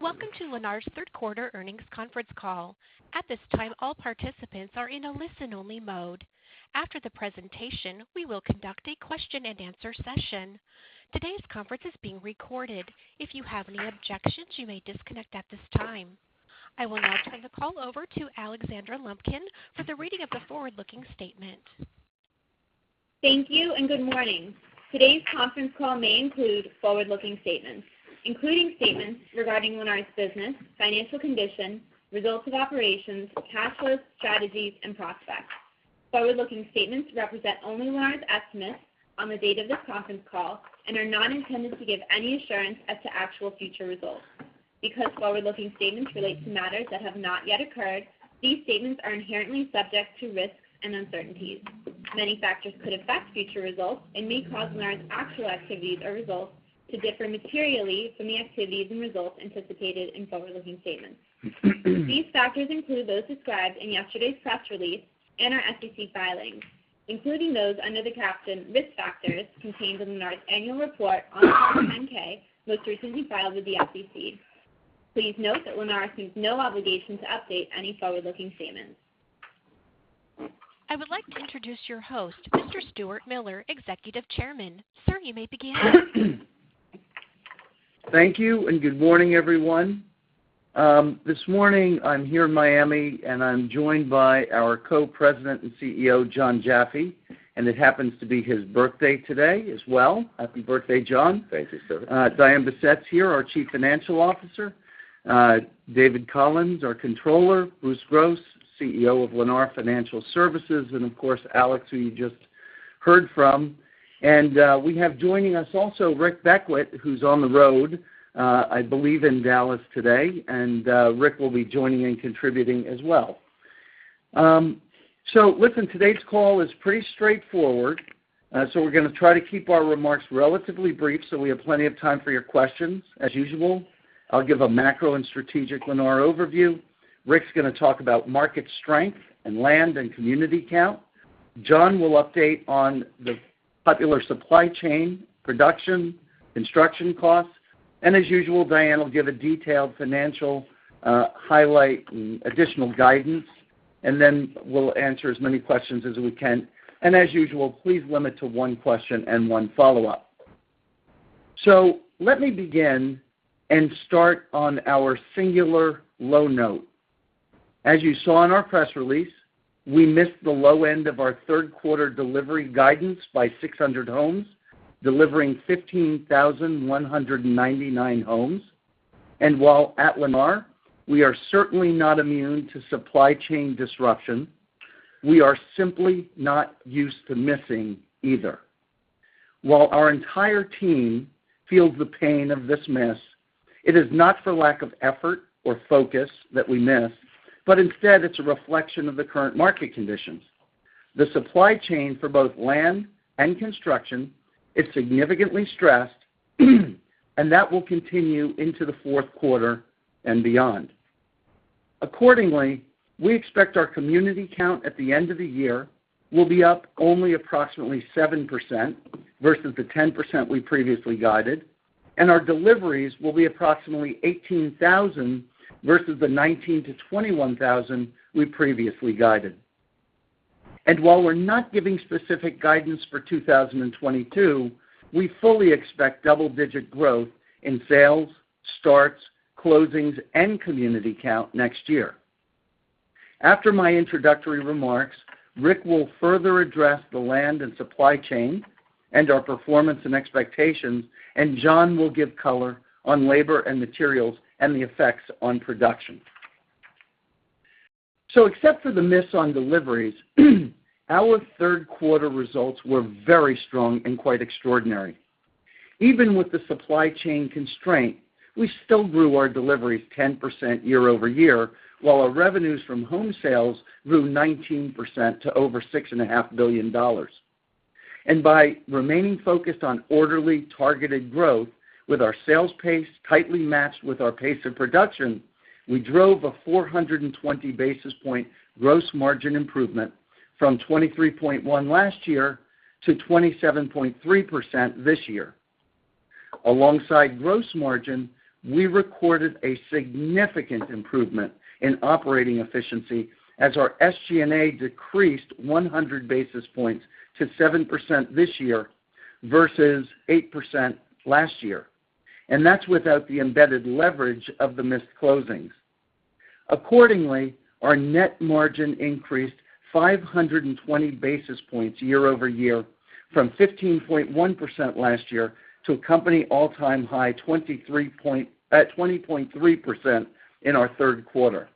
Welcome to Lennar's third quarter earnings conference call. At this time, all participants are in a listen-only mode. After the presentation, we will conduct a question-and-answer session. Today's conference is being recorded. If you have any objections, you may disconnect at this time. I will now turn the call over to Alexandra Lumpkin for the reading of the forward-looking statement. Thank you. Good morning. Today's conference call may include forward-looking statements, including statements regarding Lennar's business, financial condition, results of operations, cash flow, strategies, and prospects. Forward-looking statements represent only Lennar's estimates on the date of this conference call and are not intended to give any assurance as to actual future results. Because forward-looking statements relate to matters that have not yet occurred, these statements are inherently subject to risks and uncertainties. Many factors could affect future results and may cause Lennar's actual activities or results to differ materially from the activities and results anticipated in forward-looking statements. These factors include those described in yesterday's press release and our SEC filings, including those under the caption Risk Factors contained in Lennar's annual report on Form 10-K, most recently filed with the SEC. Please note that Lennar assumes no obligation to update any forward-looking statements. I would like to introduce your host, Mr. Stuart Miller, Executive Chairman. Sir, you may begin. Thank you, good morning, everyone. This morning, I'm here in Miami, and I'm joined by our Co-President and CEO, Jon Jaffe. It happens to be his birthday today as well. Happy birthday, Jon. Thank you, sir. Diane Bessette's here, our Chief Financial Officer. David Collins, our Controller. Bruce Gross, CEO of Lennar Financial Services, and of course, Alex, who you just heard from. We have joining us also Rick Beckwitt, who's on the road, I believe in Dallas today, and Rick will be joining and contributing as well. Listen, today's call is pretty straightforward. We're going to try to keep our remarks relatively brief so we have plenty of time for your questions, as usual. I'll give a macro and strategic Lennar overview. Rick's going to talk about market strength and land and community count. Jon will update on the popular supply chain, production, construction costs. As usual, Diane will give a detailed financial highlight and additional guidance. We'll answer as many questions as we can. As usual, please limit to one question and one follow-up. Let me begin and start on our singular low note. As you saw in our press release, we missed the low end of our third-quarter delivery guidance by 600 homes, delivering 15,199 homes. While at Lennar, we are certainly not immune to supply chain disruption, we are simply not used to missing either. While our entire team feels the pain of this miss, it is not for lack of effort or focus that we missed, but instead, it's a reflection of the current market conditions. The supply chain for both land and construction is significantly stressed, and that will continue into the fourth quarter and beyond. Accordingly, we expect our community count at the end of the year will be up only approximately 7% versus the 10% we previously guided, and our deliveries will be approximately 18,000 versus the 19,000 to 21,000 we previously guided. While we're not giving specific guidance for 2022, we fully expect double-digit growth in sales, starts, closings, and community count next year. After my introductory remarks, Rick will further address the land and supply chain and our performance and expectations, and Jon will give color on labor and materials and the effects on production. Except for the miss on deliveries, our third-quarter results were very strong and quite extraordinary. Even with the supply chain constraint, we still grew our deliveries 10% year-over-year, while our revenues from home sales grew 19% to over $6.5 billion. By remaining focused on orderly, targeted growth with our sales pace tightly matched with our pace of production, we drove a 420-basis-point gross margin improvement from 23.1% last year to 27.3% this year. Alongside gross margin, we recorded a significant improvement in operating efficiency as our SG&A decreased 100 basis points to 7% this year versus 8% last year. That's without the embedded leverage of the missed closings. Accordingly, our net margin increased 520 basis points year-over-year from 15.1% last year to a company all-time high 20.3% in our third quarter.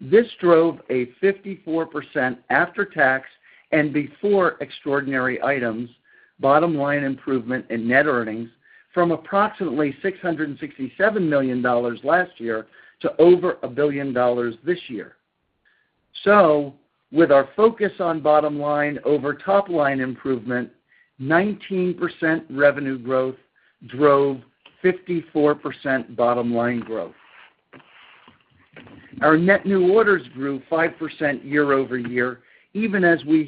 This drove a 54% after-tax and before extraordinary items bottom-line improvement in net earnings from approximately $667 million last year to over $1 billion this year. With our focus on bottom-line over top-line improvement, 19% revenue growth drove 54% bottom-line growth. Our net new orders grew 5% year-over-year, even as we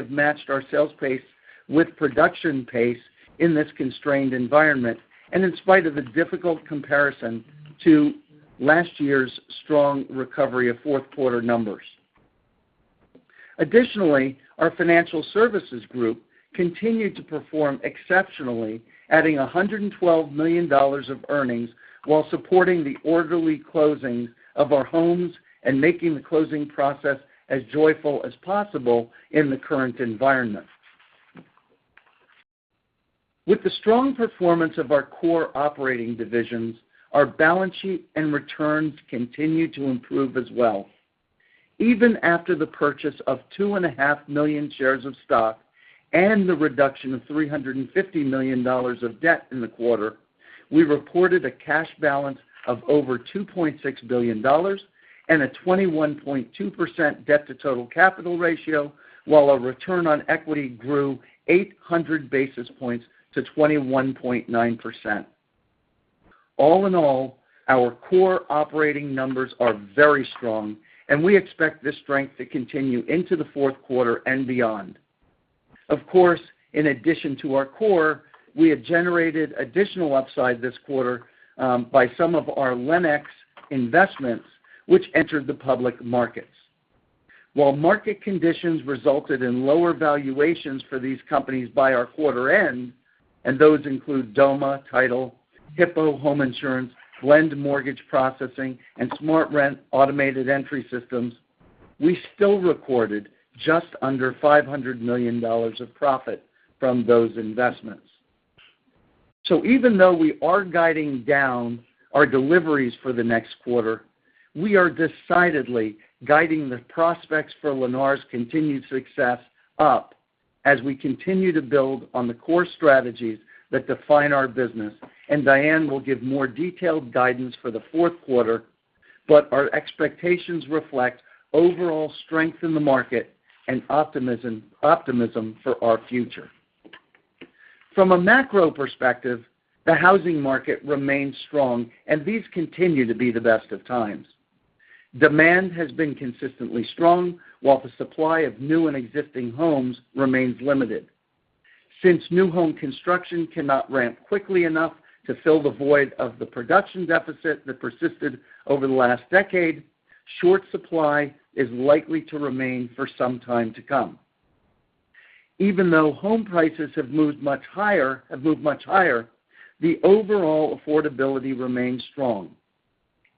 have matched our sales pace with production pace in this constrained environment, and in spite of the difficult comparison to last year's strong recovery of fourth quarter numbers. Additionally, our Financial Services Group continued to perform exceptionally, adding $112 million of earnings while supporting the orderly closing of our homes and making the closing process as joyful as possible in the current environment. With the strong performance of our core operating divisions, our balance sheet and returns continue to improve as well. Even after the purchase of two and a half million shares of stock and the reduction of $350 million of debt in the quarter, we reported a cash balance of over $2.6 billion and a 21.2% debt to total capital ratio, while our return on equity grew 800 basis points to 21.9%. All in all, our core operating numbers are very strong, and we expect this strength to continue into the fourth quarter and beyond. Of course, in addition to our core, we have generated additional upside this quarter by some of our LenX investments, which entered the public markets. While market conditions resulted in lower valuations for these companies by our quarter end, and those include Doma, Hippo, Blend, and SmartRent, we still recorded just under $500 million of profit from those investments. Even though we are guiding down our deliveries for the next quarter, we are decidedly guiding the prospects for Lennar's continued success up as we continue to build on the core strategies that define our business, and Diane will give more detailed guidance for the fourth quarter. Our expectations reflect overall strength in the market and optimism for our future. From a macro perspective, the housing market remains strong, and these continue to be the best of times. Demand has been consistently strong, while the supply of new and existing homes remains limited. Since new home construction cannot ramp quickly enough to fill the void of the production deficit that persisted over the last decade, short supply is likely to remain for some time to come. Even though home prices have moved much higher, the overall affordability remains strong.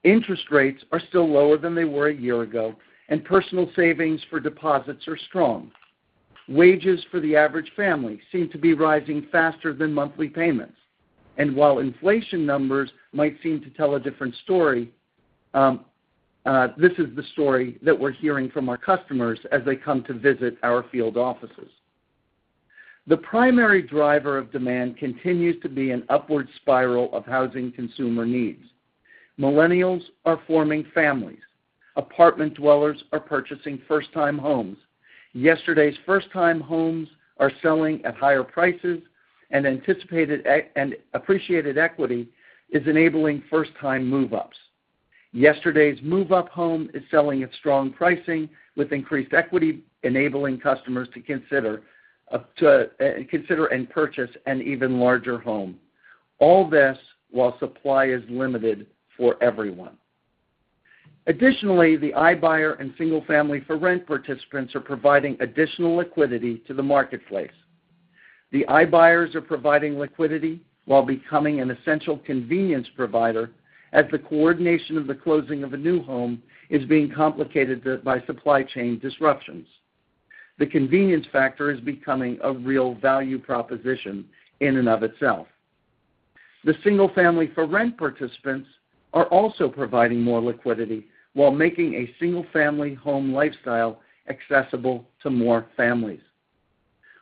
Interest rates are still lower than they were a year ago, and personal savings for deposits are strong. Wages for the average family seem to be rising faster than monthly payments. While inflation numbers might seem to tell a different story, this is the story that we're hearing from our customers as they come to visit our field offices. The primary driver of demand continues to be an upward spiral of housing consumer needs. Millennials are forming families. Apartment dwellers are purchasing first-time homes. Yesterday's first-time homes are selling at higher prices, and appreciated equity is enabling first-time move-ups. Yesterday's move-up home is selling at strong pricing with increased equity, enabling customers to consider and purchase an even larger home. All this while supply is limited for everyone. Additionally, the iBuyer and Single-Family For Rent participants are providing additional liquidity to the marketplace. The iBuyers are providing liquidity while becoming an essential convenience provider as the coordination of the closing of a new home is being complicated by supply chain disruptions. The convenience factor is becoming a real value proposition in and of itself. The Single-Family For Rent participants are also providing more liquidity while making a single-family home lifestyle accessible to more families.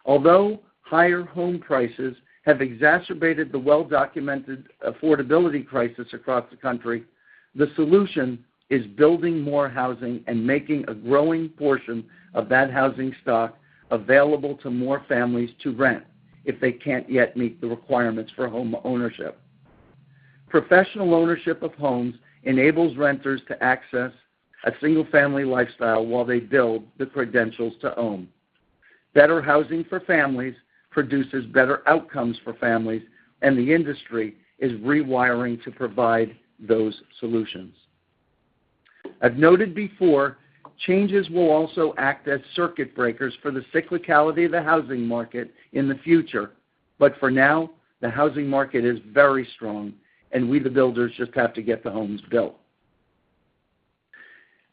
Although higher home prices have exacerbated the well-documented affordability crisis across the country, the solution is building more housing and making a growing portion of that housing stock available to more families to rent if they can't yet meet the requirements for home ownership. Professional ownership of homes enables renters to access a single-family lifestyle while they build the credentials to own. Better housing for families produces better outcomes for families, the industry is rewiring to provide those solutions. I've noted before, changes will also act as circuit breakers for the cyclicality of the housing market in the future. For now, the housing market is very strong, and we, the builders, just have to get the homes built.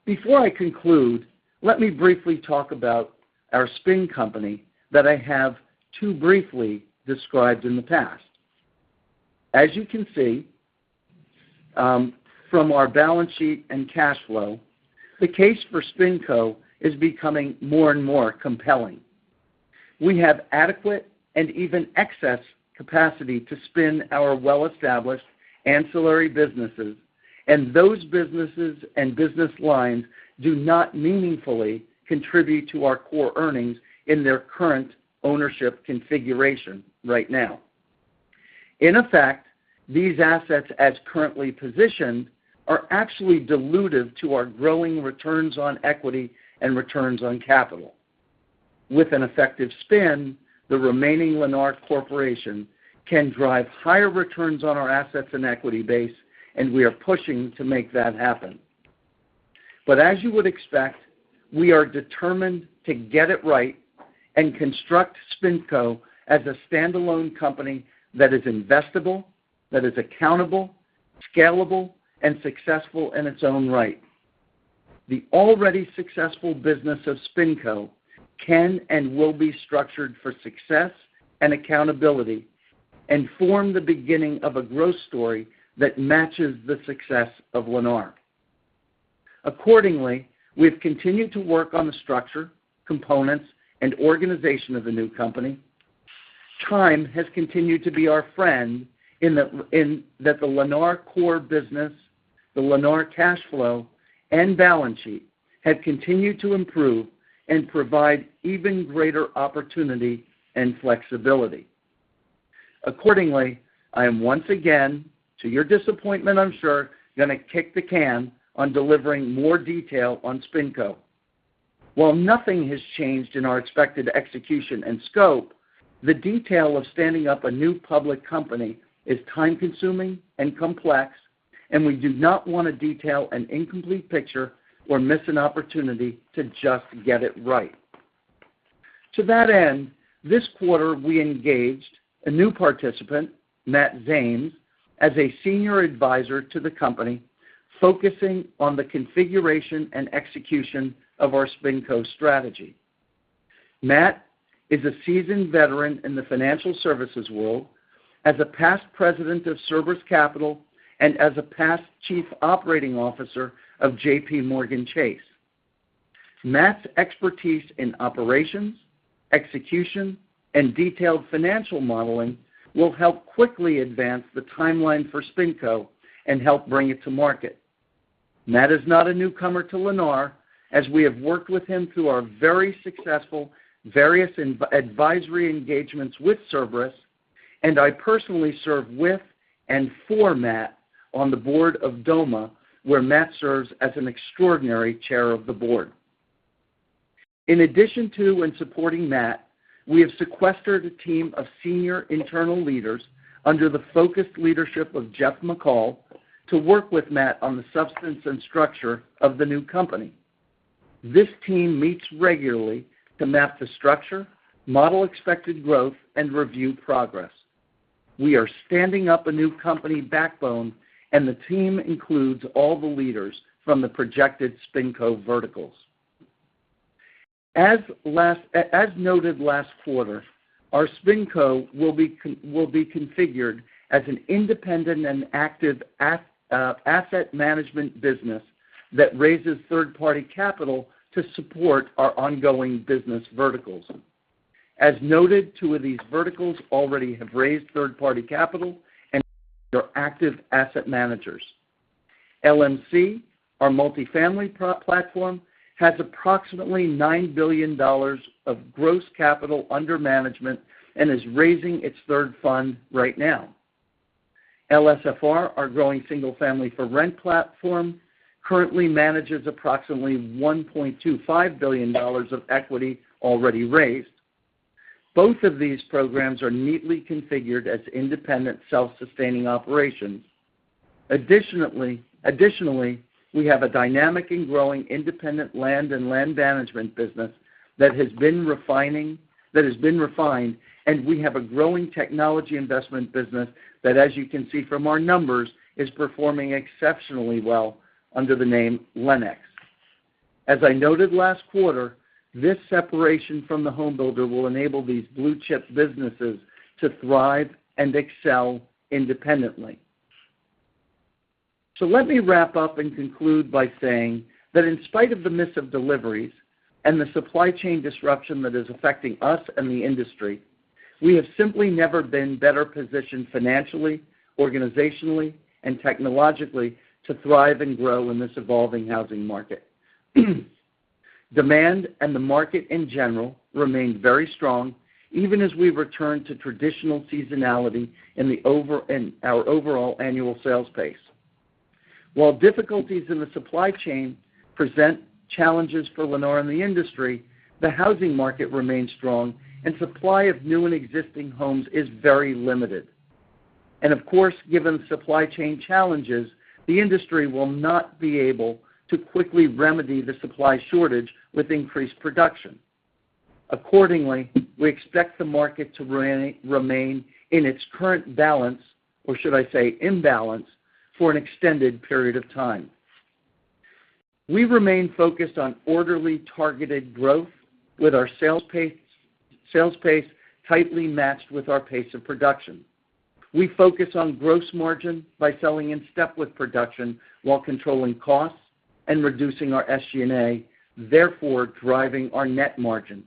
Before I conclude, let me briefly talk about our spin company that I have too briefly described in the past. As you can see from our balance sheet and cash flow, the case for SpinCo is becoming more and more compelling. We have adequate and even excess capacity to spin our well-established ancillary businesses, and those businesses and business lines do not meaningfully contribute to our core earnings in their current ownership configuration right now. In effect, these assets as currently positioned, are actually dilutive to our growing returns on equity and returns on capital. With an effective spin, the remaining Lennar Corporation can drive higher returns on our assets and equity base, and we are pushing to make that happen. As you would expect, we are determined to get it right and construct SpinCo as a standalone company that is investable, that is accountable, scalable, and successful in its own right. The already successful business of SpinCo can and will be structured for success and accountability and form the beginning of a growth story that matches the success of Lennar. Accordingly, we've continued to work on the structure, components, and organization of the new company. Time has continued to be our friend in that the Lennar core business, the Lennar cash flow, and balance sheet have continued to improve and provide even greater opportunity and flexibility. Accordingly, I am once again, to your disappointment I'm sure, going to kick the can on delivering more detail on SpinCo. While nothing has changed in our expected execution and scope, the detail of standing up a new public company is time-consuming and complex, and we do not want to detail an incomplete picture or miss an opportunity to just get it right. To that end, this quarter, we engaged a new participant, Matthew Zames, as a Senior Advisor to the company, focusing on the configuration and execution of our SpinCo strategy. Matthew is a seasoned veteran in the financial services world as a past President of Cerberus Capital and as a past Chief Operating Officer of JPMorgan Chase. Matthew's expertise in operations, execution, and detailed financial modeling will help quickly advance the timeline for SpinCo and help bring it to market. Matthew is not a newcomer to Lennar, as we have worked with him through our very successful various advisory engagements with Cerberus, and I personally serve with and for Matthew on the board of Doma, where Matthew serves as an extraordinary Chair of the Board. In addition to and supporting Matthew Zames, we have sequestered a team of senior internal leaders under the focused leadership of Jeff McCall to work with Matthew Zames on the substance and structure of the new company. This team meets regularly to map the structure, model expected growth, and review progress. We are standing up a new company backbone, and the team includes all the leaders from the projected SpinCo verticals. As noted last quarter, our SpinCo will be configured as an independent and active asset management business that raises third-party capital to support our ongoing business verticals. As noted, two of these verticals already have raised third-party capital and are active asset managers. LMC, our multifamily platform, has approximately $9 billion of gross capital under management and is raising its third fund right now. LSFR, our growing Single-Family For Rent platform, currently manages approximately $1.25 billion of equity already raised. Both of these programs are neatly configured as independent, self-sustaining operations. Additionally, we have a dynamic and growing independent land and land management business that has been refined, and we have a growing technology investment business that, as you can see from our numbers, is performing exceptionally well under the name LenX. As I noted last quarter, this separation from the home builder will enable these blue-chip businesses to thrive and excel independently. Let me wrap up and conclude by saying that in spite of the miss of deliveries and the supply chain disruption that is affecting us and the industry, we have simply never been better positioned financially, organizationally, and technologically to thrive and grow in this evolving housing market. Demand and the market in general remained very strong, even as we return to traditional seasonality in our overall annual sales pace. While difficulties in the supply chain present challenges for Lennar and the industry, the housing market remains strong and supply of new and existing homes is very limited. Of course, given supply chain challenges, the industry will not be able to quickly remedy the supply shortage with increased production. Accordingly, we expect the market to remain in its current balance, or should I say imbalance, for an extended period of time. We remain focused on orderly, targeted growth with our sales pace tightly matched with our pace of production. We focus on gross margin by selling in step with production while controlling costs and reducing our SG&A, therefore, driving our net margin.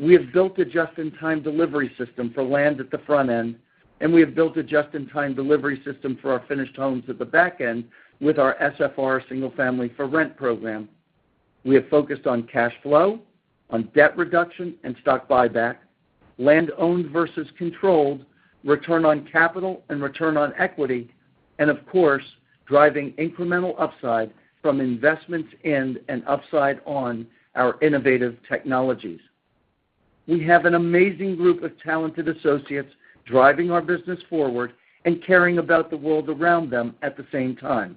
We have built a just-in-time delivery system for land at the front end, and we have built a just-in-time delivery system for our finished homes at the back end with our SFR, Single-Family For Rent program. We have focused on cash flow, on debt reduction and stock buyback, land owned versus controlled, return on capital and return on equity, and of course, driving incremental upside from investments in and upside on our innovative technologies. We have an amazing group of talented associates driving our business forward and caring about the world around them at the same time.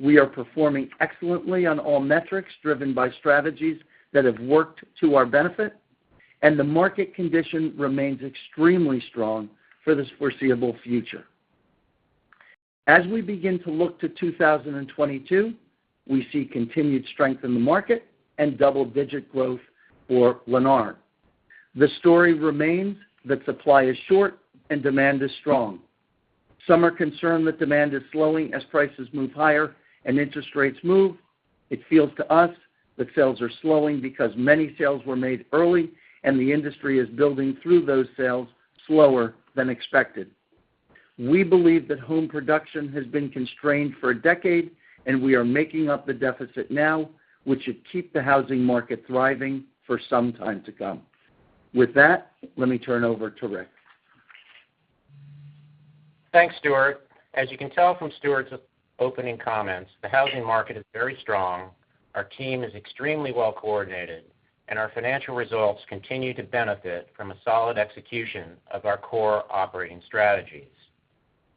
We are performing excellently on all metrics driven by strategies that have worked to our benefit, and the market condition remains extremely strong for the foreseeable future. As we begin to look to 2022, we see continued strength in the market and double-digit growth for Lennar. The story remains that supply is short and demand is strong. Some are concerned that demand is slowing as prices move higher and interest rates move. It feels to us that sales are slowing because many sales were made early and the industry is building through those sales slower than expected. We believe that home production has been constrained for a decade, and we are making up the deficit now, which should keep the housing market thriving for some time to come. With that, let me turn over to Rick. Thanks, Stuart. As you can tell from Stuart's opening comments, the housing market is very strong, our team is extremely well-coordinated, and our financial results continue to benefit from a solid execution of our core operating strategies.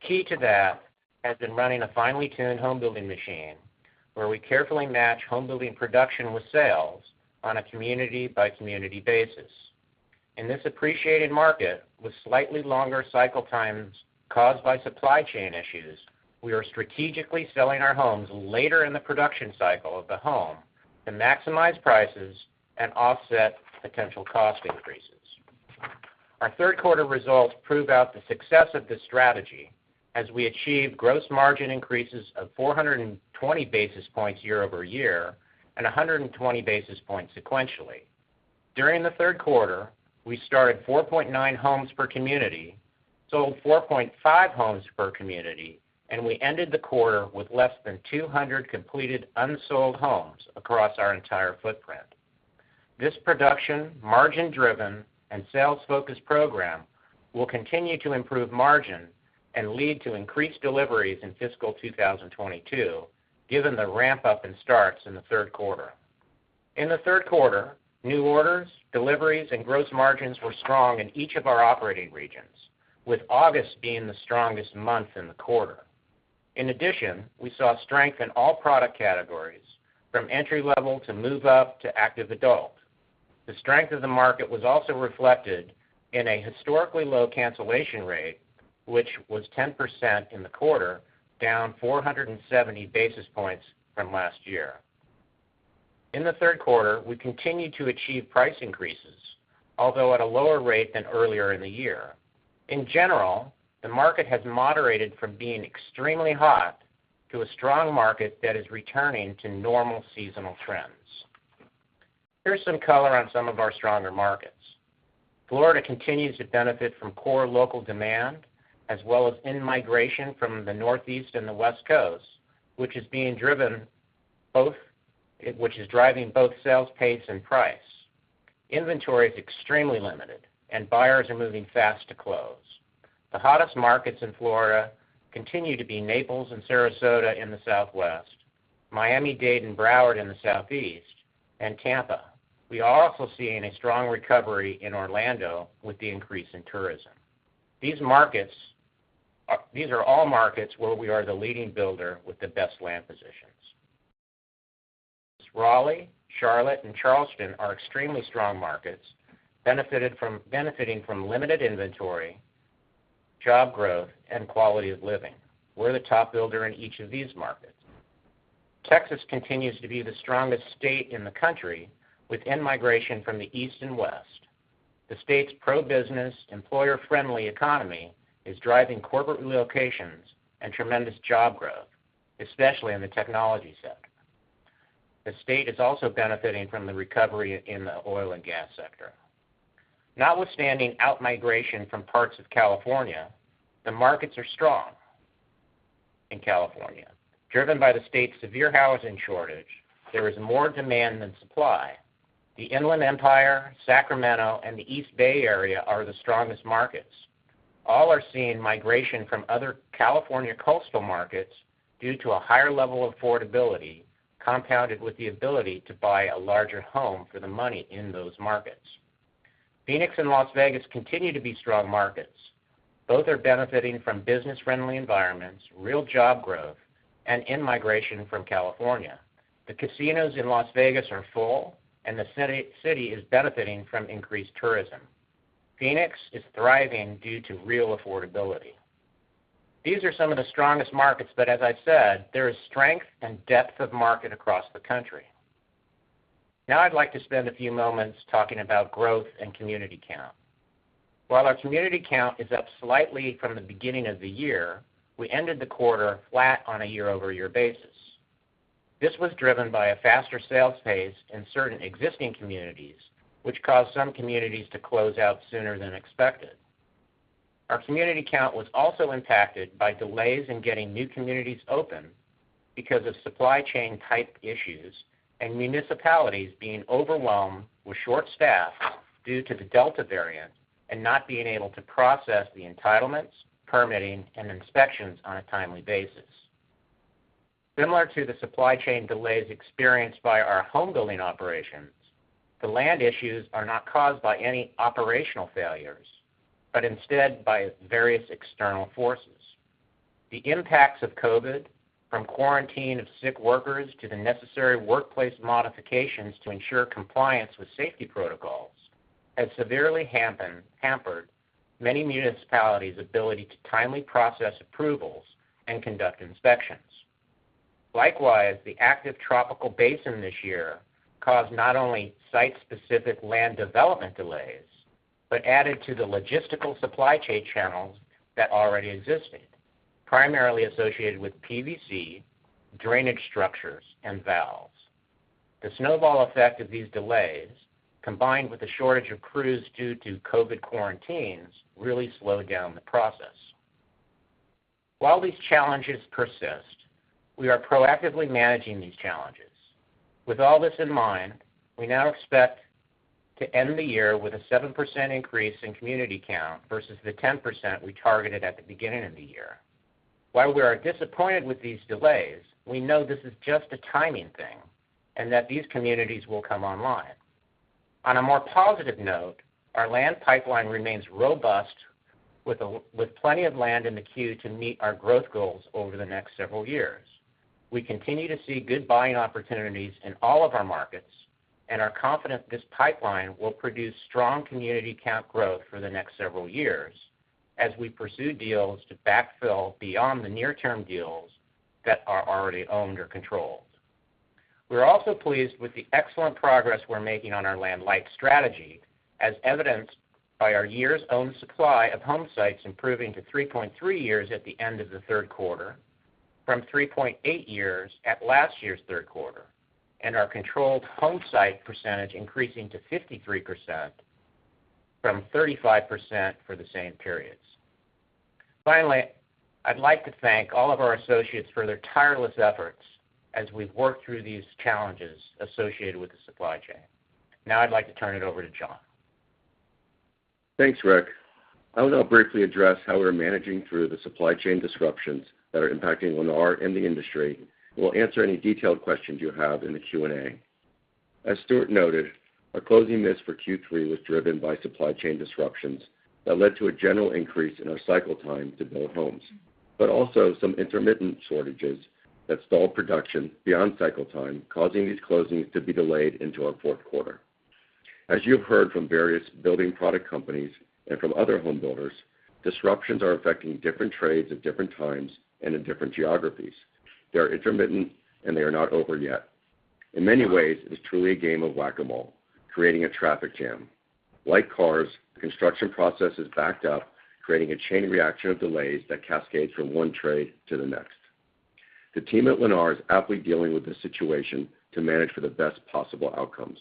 Key to that has been running a finely tuned home building machine, where we carefully match home building production with sales on a community-by-community basis. In this appreciated market with slightly longer cycle times caused by supply chain issues, we are strategically selling our homes later in the production cycle of the home to maximize prices and offset potential cost increases. Our third quarter results prove out the success of this strategy as we achieve gross margin increases of 420 basis points year-over-year and 120 basis points sequentially. During the third quarter, we started 4.9 homes per community, sold 4.5 homes per community, and we ended the quarter with less than 200 completed unsold homes across our entire footprint. This production, margin-driven, and sales-focused program will continue to improve margin and lead to increased deliveries in fiscal 2022, given the ramp-up in starts in the third quarter. In the third quarter, new orders, deliveries, and gross margins were strong in each of our operating regions, with August being the strongest month in the quarter. In addition, we saw strength in all product categories, from entry-level to move-up to active adult. The strength of the market was also reflected in a historically low cancellation rate, which was 10% in the quarter, down 470 basis points from last year. In the third quarter, we continued to achieve price increases, although at a lower rate than earlier in the year. In general, the market has moderated from being extremely hot to a strong market that is returning to normal seasonal trends. Here's some color on some of our stronger markets. Florida continues to benefit from core local demand, as well as in-migration from the Northeast and the West Coasts, which is driving both sales pace and price. Inventory is extremely limited, and buyers are moving fast to close. The hottest markets in Florida continue to be Naples and Sarasota in the southwest, Miami-Dade and Broward in the southeast, and Tampa. We are also seeing a strong recovery in Orlando with the increase in tourism. These are all markets where we are the leading builder with the best land positions. Raleigh, Charlotte, and Charleston are extremely strong markets, benefiting from limited inventory, job growth, and quality of living. We're the top builder in each of these markets. Texas continues to be the strongest state in the country with in-migration from the East and West. The state's pro-business, employer-friendly economy is driving corporate relocations and tremendous job growth, especially in the technology sector. The state is also benefiting from the recovery in the oil and gas sector. Notwithstanding out-migration from parts of California, the markets are strong in California. Driven by the state's severe housing shortage, there is more demand than supply. The Inland Empire, Sacramento, and the East Bay Area are the strongest markets. All are seeing migration from other California coastal markets due to a higher level of affordability, compounded with the ability to buy a larger home for the money in those markets. Phoenix and Las Vegas continue to be strong markets. Both are benefiting from business-friendly environments, real job growth, and in-migration from California. The casinos in Las Vegas are full, and the city is benefiting from increased tourism. Phoenix is thriving due to real affordability. As I've said, there is strength and depth of market across the country. I'd like to spend a few moments talking about growth and community count. While our community count is up slightly from the beginning of the year, we ended the quarter flat on a year-over-year basis. This was driven by a faster sales pace in certain existing communities, which caused some communities to close out sooner than expected. Our community count was also impacted by delays in getting new communities open because of supply chain type issues and municipalities being overwhelmed with short staff due to the Delta variant and not being able to process the entitlements, permitting, and inspections on a timely basis. Similar to the supply chain delays experienced by our home building operations, the land issues are not caused by any operational failures, but instead by various external forces. The impacts of COVID, from quarantine of sick workers to the necessary workplace modifications to ensure compliance with safety protocols, has severely hampered many municipalities' ability to timely process approvals and conduct inspections. Likewise, the active tropical basin this year caused not only site-specific land development delays, but added to the logistical supply chain channels that already existed, primarily associated with PVC, drainage structures, and valves. The snowball effect of these delays, combined with the shortage of crews due to COVID quarantines, really slowed down the process. While these challenges persist, we are proactively managing these challenges. With all this in mind, we now expect to end the year with a 7% increase in community count versus the 10% we targeted at the beginning of the year. While we are disappointed with these delays, we know this is just a timing thing, and that these communities will come online. On a more positive note, our land pipeline remains robust with plenty of land in the queue to meet our growth goals over the next several years. We continue to see good buying opportunities in all of our markets and are confident this pipeline will produce strong community count growth for the next several years as we pursue deals to backfill beyond the near-term deals that are already owned or controlled. We're also pleased with the excellent progress we're making on our years-owned supply of home sites improving to 3.3 years at the end of the third quarter from 3.8 years at last year's third quarter, and our controlled home site percentage increasing to 53% from 35% for the same periods. Finally, I'd like to thank all of our associates for their tireless efforts as we've worked through these challenges associated with the supply chain. I'd like to turn it over to Jon. Thanks, Rick. I will now briefly address how we're managing through the supply chain disruptions that are impacting Lennar and the industry, and we'll answer any detailed questions you have in the Q&A. As Stuart noted, our closing miss for Q3 was driven by supply chain disruptions that led to a general increase in our cycle time to build homes, but also some intermittent shortages that stalled production beyond cycle time, causing these closings to be delayed into our fourth quarter. As you've heard from various building product companies and from other home builders, disruptions are affecting different trades at different times and in different geographies. They are intermittent and they are not over yet. In many ways, it is truly a game of whack-a-mole, creating a traffic jam. Like cars, the construction process is backed up, creating a chain reaction of delays that cascades from one trade to the next. The team at Lennar is aptly dealing with the situation to manage for the best possible outcomes.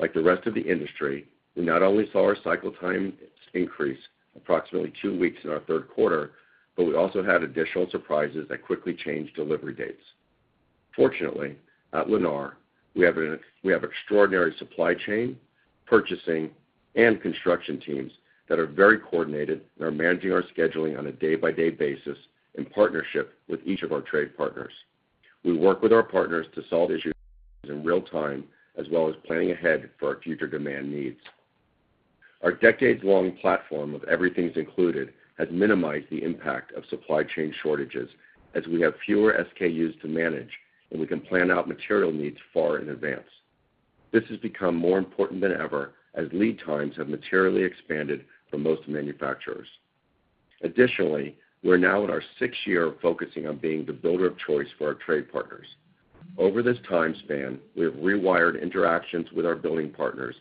Like the rest of the industry, we not only saw our cycle time increase approximately two weeks in our third quarter, but we also had additional surprises that quickly changed delivery dates. Fortunately, at Lennar, we have extraordinary supply chain, purchasing, and construction teams that are very coordinated and are managing our scheduling on a day-by-day basis in partnership with each of our trade partners. We work with our partners to solve issues in real time, as well as planning ahead for our future demand needs. Our decades-long platform of Everything's Included has minimized the impact of supply chain shortages as we have fewer SKUs to manage, and we can plan out material needs far in advance. This has become more important than ever, as lead times have materially expanded for most manufacturers. We're now in our sixth year of focusing on being the Builder of Choice for our trade partners. Over this time span, we have rewired interactions with our building partners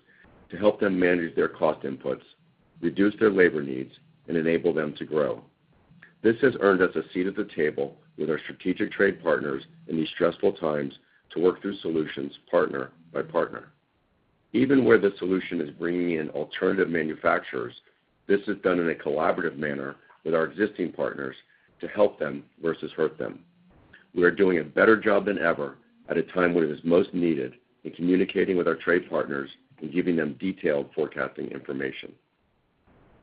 to help them manage their cost inputs, reduce their labor needs, and enable them to grow. This has earned us a seat at the table with our strategic trade partners in these stressful times to work through solutions partner by partner. Even where the solution is bringing in alternative manufacturers, this is done in a collaborative manner with our existing partners to help them versus hurt them. We are doing a better job than ever at a time when it is most needed in communicating with our trade partners and giving them detailed forecasting information.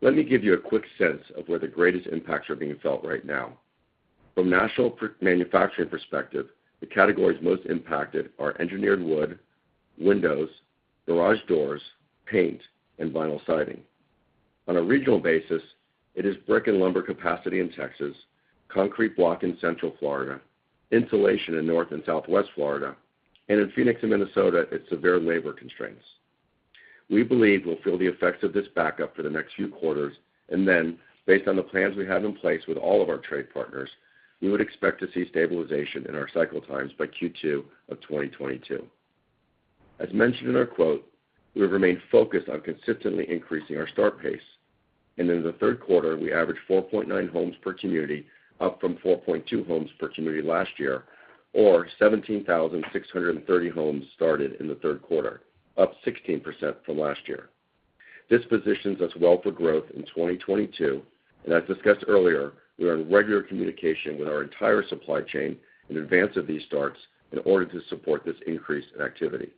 Let me give you a quick sense of where the greatest impacts are being felt right now. From national manufacturing perspective, the categories most impacted are engineered wood, windows, garage doors, paint, and vinyl siding. On a regional basis, it is brick and lumber capacity in Texas, concrete block in Central Florida, insulation in North and Southwest Florida, and in Phoenix and Minnesota, it's severe labor constraints. We believe we'll feel the effects of this backup for the next few quarters, then, based on the plans we have in place with all of our trade partners, we would expect to see stabilization in our cycle times by Q2 of 2022. As mentioned in our quote, we have remained focused on consistently increasing our start pace, and in the third quarter, we averaged 4.9 homes per community, up from 4.2 homes per community last year, or 17,630 homes started in the third quarter, up 16% from last year. This positions us well for growth in 2022, and as discussed earlier, we are in regular communication with our entire supply chain in advance of these starts in order to support this increase in activity.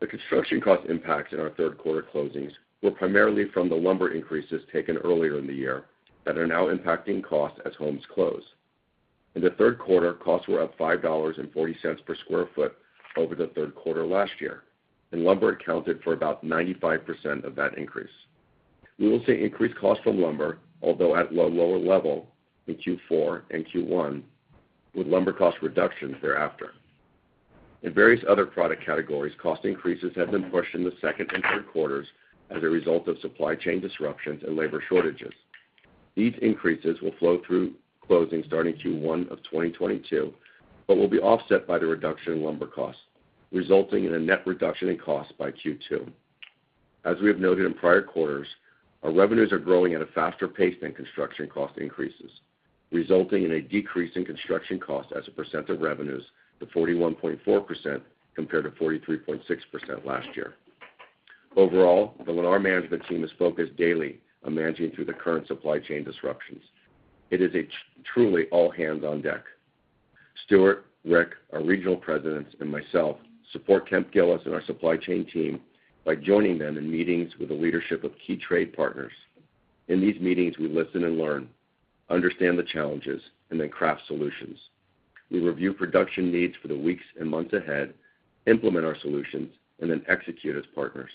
The construction cost impacts in our third quarter closings were primarily from the lumber increases taken earlier in the year that are now impacting costs as homes close. In the third quarter, costs were up $5.40 per sq ft over the third quarter last year, and lumber accounted for about 95% of that increase. We will see increased costs from lumber, although at a lower level in Q4 and Q1, with lumber cost reductions thereafter. In various other product categories, cost increases have been pushed in the second and third quarters as a result of supply chain disruptions and labor shortages. These increases will flow through closings starting Q1 of 2022, but will be offset by the reduction in lumber costs, resulting in a net reduction in costs by Q2. As we have noted in prior quarters, our revenues are growing at a faster pace than construction cost increases, resulting in a decrease in construction cost as a percent of revenues to 41.4% compared to 43.6% last year. Overall, the Lennar management team is focused daily on managing through the current supply chain disruptions. It is truly all hands on deck. Stuart, Rick, our regional presidents, and myself support Kemp Gillis and our supply chain team by joining them in meetings with the leadership of key trade partners. In these meetings, we listen and learn, understand the challenges, and then craft solutions. We review production needs for the weeks and months ahead, implement our solutions, and then execute as partners.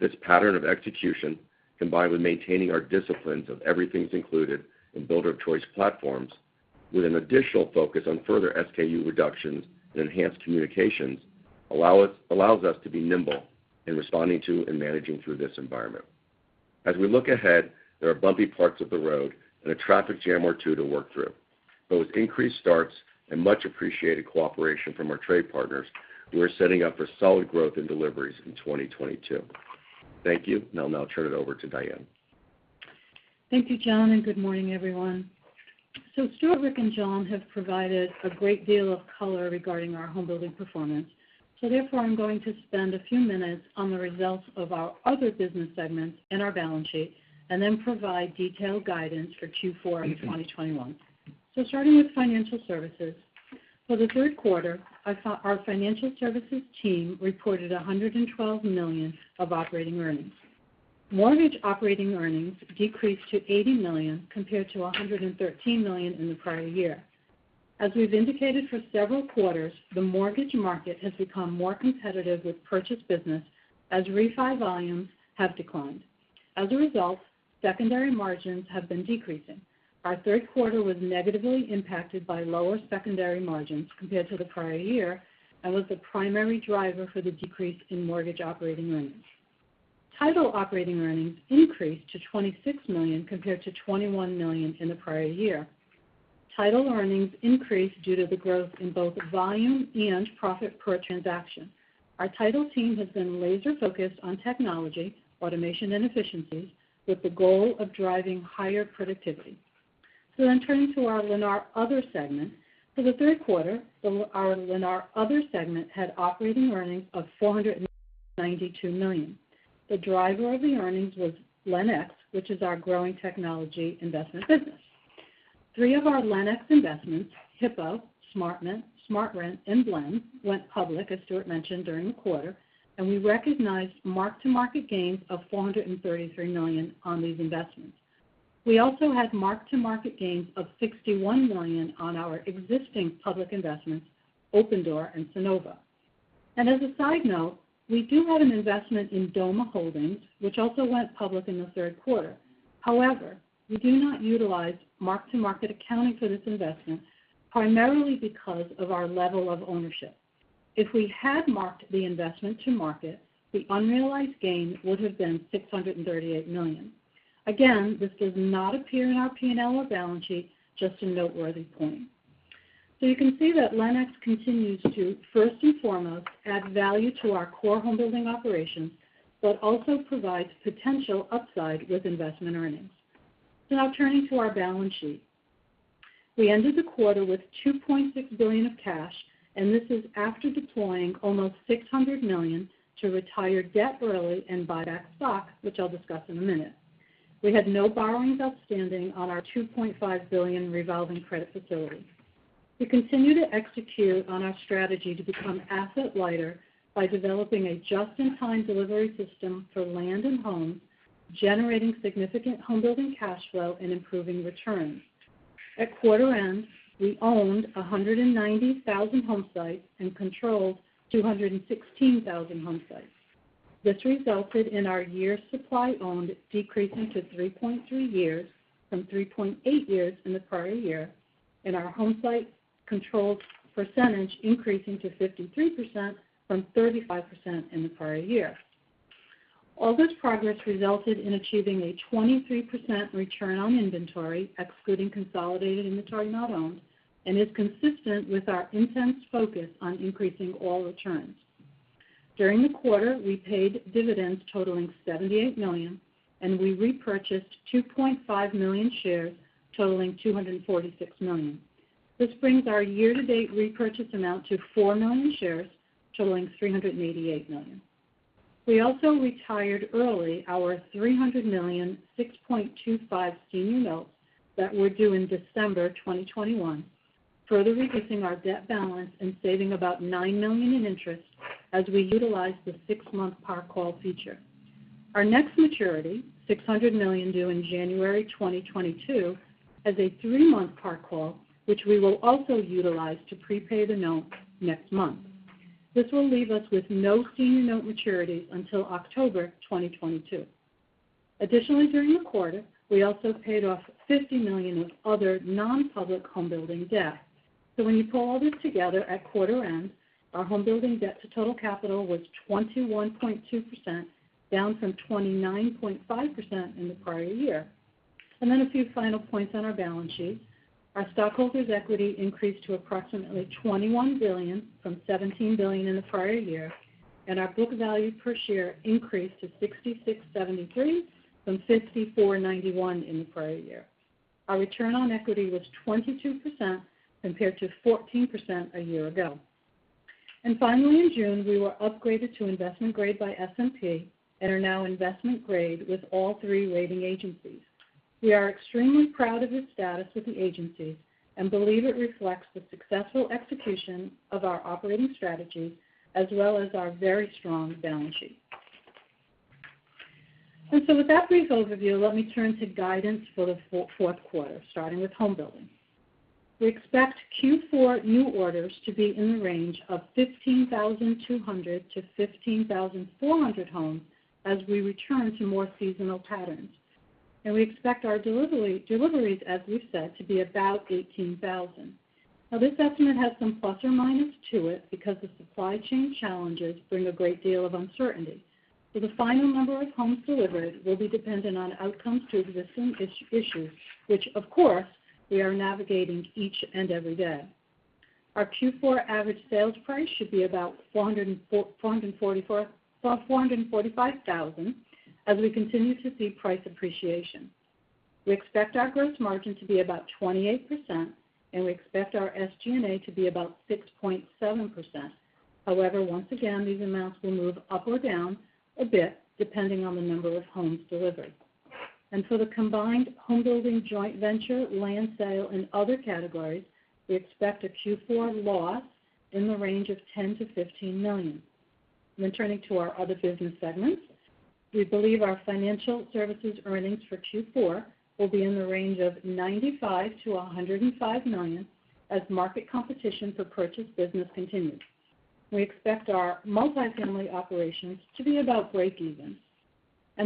This pattern of execution, combined with maintaining our disciplines of Everything's Included and Builder of Choice platforms with an additional focus on further SKU reductions and enhanced communications, allows us to be nimble in responding to and managing through this environment. As we look ahead, there are bumpy parts of the road and a traffic jam or two to work through. With increased starts and much-appreciated cooperation from our trade partners, we are setting up for solid growth in deliveries in 2022. Thank you. I'll now turn it over to Diane. Thank you, Jon, and good morning, everyone. Stuart, Rick, and Jon have provided a great deal of color regarding our home building performance. Therefore, I'm going to spend a few minutes on the results of our other business segments and our balance sheet, and then provide detailed guidance for Q4 of 2021. Starting with Financial Services, for the third quarter, our Financial Services team reported $112 million of operating earnings. Mortgage operating earnings decreased to $80 million compared to $113 million in the prior year. As we've indicated for several quarters, the mortgage market has become more competitive with purchase business as refi volumes have declined. As a result, secondary margins have been decreasing. Our third quarter was negatively impacted by lower secondary margins compared to the prior year and was the primary driver for the decrease in mortgage operating earnings. Title operating earnings increased to $26 million compared to $21 million in the prior year. Title earnings increased due to the growth in both volume and profit per transaction. Our title team has been laser-focused on technology, automation, and efficiencies with the goal of driving higher productivity. Turning to our Lennar Other segment. For the third quarter, our Lennar Other segment had operating earnings of $492 million. The driver of the earnings was LenX, which is our growing technology investment business. Three of our LenX investments, Hippo, SmartRent, and Blend, went public, as Stuart mentioned, during the quarter, and we recognized mark-to-market gains of $433 million on these investments. We also had mark-to-market gains of $61 million on our existing public investments, Opendoor and Sunnova. As a side note, we do have an investment in Doma Holdings, which also went public in the third quarter. However, we do not utilize mark-to-market accounting for this investment, primarily because of our level of ownership. If we had marked the investment to market, the unrealized gain would have been $638 million. Again, this does not appear in our P&L or balance sheet, just a noteworthy point. You can see that LenX continues to, first and foremost, add value to our core home building operations, but also provides potential upside with investment earnings. Now turning to our balance sheet. We ended the quarter with $2.6 billion of cash, and this is after deploying almost $600 million to retire debt early and buy back stock, which I'll discuss in a minute. We had no borrowings outstanding on our $2.5 billion revolving credit facility. We continue to execute on our strategy to become asset-lighter by developing a just-in-time delivery system for land and homes, generating significant home building cash flow, and improving returns. At quarter end, we owned 190,000 homesites and controlled 216,000 homesites. This resulted in our year supply owned decreasing to 3.3 years from 3.8 years in the prior year, and our homesite controlled percentage increasing to 53% from 35% in the prior year. All this progress resulted in achieving a 23% return on inventory, excluding consolidated inventory not owned, and is consistent with our intense focus on increasing all returns. During the quarter, we paid dividends totaling $78 million, and we repurchased 2.5 million shares totaling $246 million. This brings our year-to-date repurchase amount to 4 million shares, totaling $388 million. We also retired early our $300 million 6.25 senior notes that were due in December 2021, further reducing our debt balance and saving about $9 million in interest as we utilized the six month par call feature. Our next maturity, $600 million due in January 2022, has a three month par call, which we will also utilize to prepay the note next month. This will leave us with no senior note maturities until October 2022. Additionally, during the quarter, we also paid off $50 million of other non-public home building debt. When you pull all this together at quarter end, our home building debt to total capital was 21.2%, down from 29.5% in the prior year. A few final points on our balance sheet. Our stockholders' equity increased to approximately $21 billion from $17 billion in the prior year, and our book value per share increased to $66.73 from $54.91 in the prior year. Our return on equity was 22% compared to 14% a year ago. Finally, in June, we were upgraded to investment grade by S&P and are now investment grade with all three rating agencies. We are extremely proud of this status with the agencies and believe it reflects the successful execution of our operating strategy as well as our very strong balance sheet. With that brief overview, let me turn to guidance for the fourth quarter, starting with home building. We expect Q4 new orders to be in the range of 15,200-15,400 homes as we return to more seasonal patterns. We expect our deliveries, as we've said, to be about 18,000. This estimate has some plus or minus to it because the supply chain challenges bring a great deal of uncertainty. The final number of homes delivered will be dependent on outcomes to existing issues, which of course we are navigating each and every day. Our Q4 average sales price should be about $445,000 as we continue to see price appreciation. We expect our gross margin to be about 28%, and we expect our SG&A to be about 6.7%. Once again, these amounts will move up or down a bit depending on the number of homes delivered. For the combined home building joint venture, land sale, and other categories, we expect a Q4 loss in the range of $10 million-$15 million. Turning to our other business segments, we believe our financial services earnings for Q4 will be in the range of $95 million-$105 million as market competition for purchase business continues. We expect our multifamily operations to be about break even.